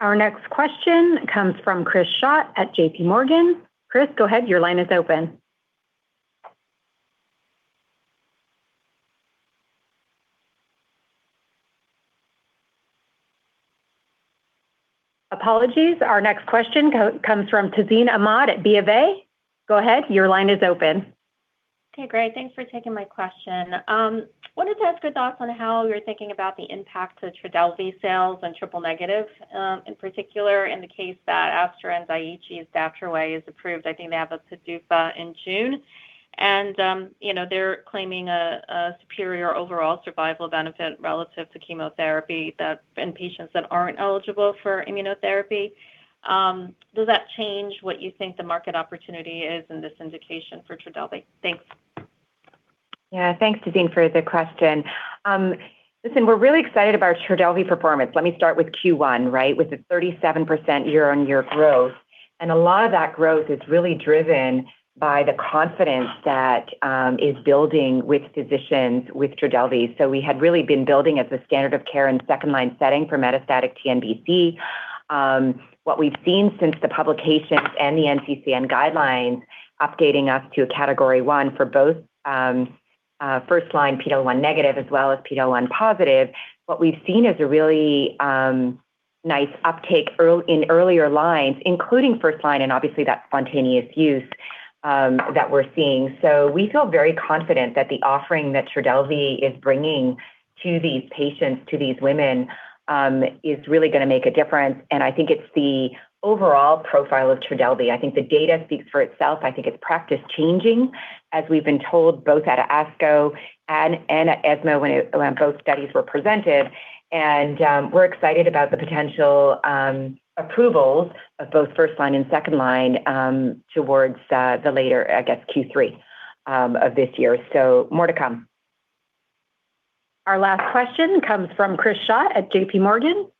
Our next question comes from Chris Schott at JPMorgan. Chris, go ahead. Your line is open. Apologies. Our next question comes from Tazeen Ahmad at BofA. Go ahead. Your line is open. Okay, great. Thanks for taking my question. Wanted to ask your thoughts on how you're thinking about the impact to TRODELVY sales in triple-negative [breast cancer], in particular in the case that Astra and Daiichi's DATROWAY is approved. I think they have a PDUFA in June. You know, they're claiming a superior overall survival benefit relative to chemotherapy in patients that aren't eligible for immunotherapy. Does that change what you think the market opportunity is in this indication for TRODELVY? Thanks. Yeah. Thanks, Tazeen, for the question. Listen, we're really excited about TRODELVY performance. Let me start with Q1, right? With the 37% year-over-year growth, and a lot of that growth is really driven by the confidence that is building with physicians with TRODELVY. We had really been building as a standard of care and second-line setting for metastatic TNBC. What we've seen since the publications and the NCCN guidelines updating us to a Category 1 for both first-line PD-L1 negative as well as PD-L1 positive, what we've seen is a really nice uptake in earlier lines, including first-line and obviously that spontaneous use that we're seeing. We feel very confident that the offering that TRODELVY is bringing to these patients, to these women, is really gonna make a difference, and I think it's the overall profile of TRODELVY. I think the data speaks for itself. I think it's practice-changing, as we've been told both at ASCO and at ESMO when both studies were presented. We're excited about the potential approvals of both first-line and second-line towards the later, I guess, Q3 of this year. More to come. Our last question comes from Chris Schott at JPMorgan.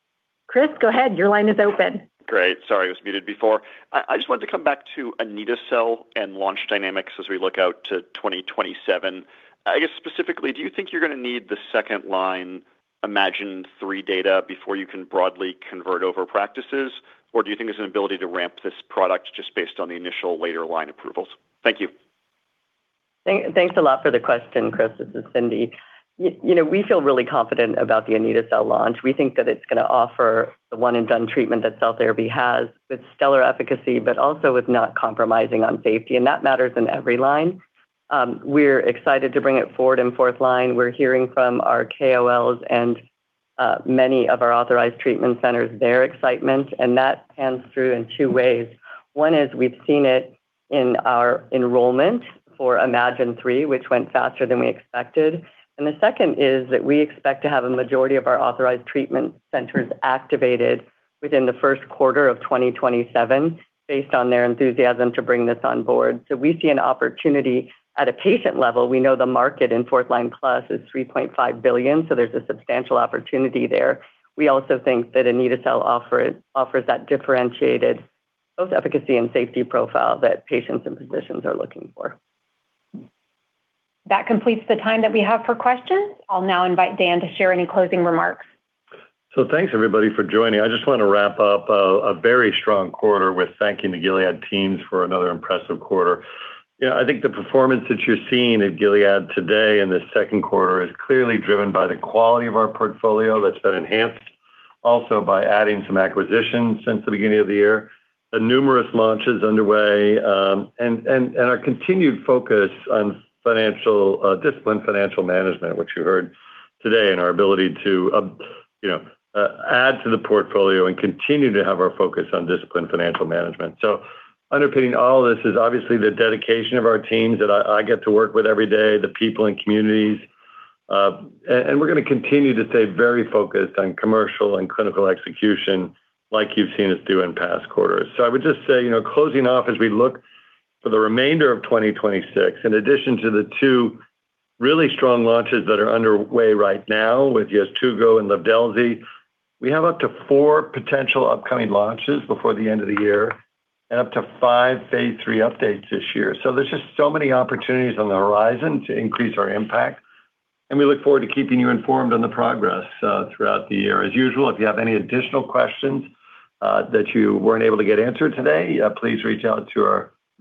Chris, go ahead. Your line is open. Great. Sorry, I was muted before. I just wanted to come back to Anito-cel and launch dynamics as we look out to 2027. I guess, specifically, do you think you're gonna need the second-line, iMMagine-3 data before you can broadly convert over practices? Do you think there's an ability to ramp this product just based on the initial later line approvals? Thank you. Thanks a lot for the question, Chris. This is Cindy. You know, we feel really confident about the Anito-cel launch. We think that it's gonna offer the one-and-done treatment that cell therapy has with stellar efficacy, but also with not compromising on safety, that matters in every line. We're excited to bring it forward in fourth-line. We're hearing from our KOLs and many of our authorized treatment centers, their excitement, that pans through in two ways. One is we've seen it in our enrollment for iMMagine-3, which went faster than we expected. The second is that we expect to have a majority of our authorized treatment centers activated within the first quarter of 2027 based on their enthusiasm to bring this on board. We see an opportunity at a patient level. We know the market in fourth-line plus is $3.5 billion. There's a substantial opportunity there. We also think that Anito-cel offers that differentiated both efficacy and safety profile that patients and physicians are looking for. That completes the time that we have for questions. I'll now invite Dan to share any closing remarks. Thanks everybody for joining. I just want to wrap up a very strong quarter with thanking the Gilead teams for another impressive quarter. You know, I think the performance that you're seeing at Gilead today in this second quarter is clearly driven by the quality of our portfolio that's been enhanced also by adding some acquisitions since the beginning of the year, the numerous launches underway, and our continued focus on financial discipline, financial management, which you heard today, and our ability to, you know, add to the portfolio and continue to have our focus on disciplined financial management. Underpinning all this is obviously the dedication of our teams that I get to work with every day, the people and communities. We're gonna continue to stay very focused on commercial and clinical execution like you've seen us do in past quarters. I would just say, you know, closing off as we look for the remainder of 2026, in addition to the two really strong launches that are underway right now with YEZTUGO and LIVDELZI, we have up to four potential upcoming launches before the end of the year and up to five phase III updates this year. There's just so many opportunities on the horizon to increase our impact, and we look forward to keeping you informed on the progress throughout the year. As usual, if you have any additional questions that you weren't able to get answered today, please reach out to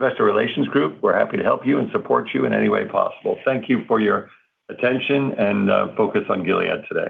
our investor relations group. We're happy to help you and support you in any way possible. Thank you for your attention and focus on Gilead today.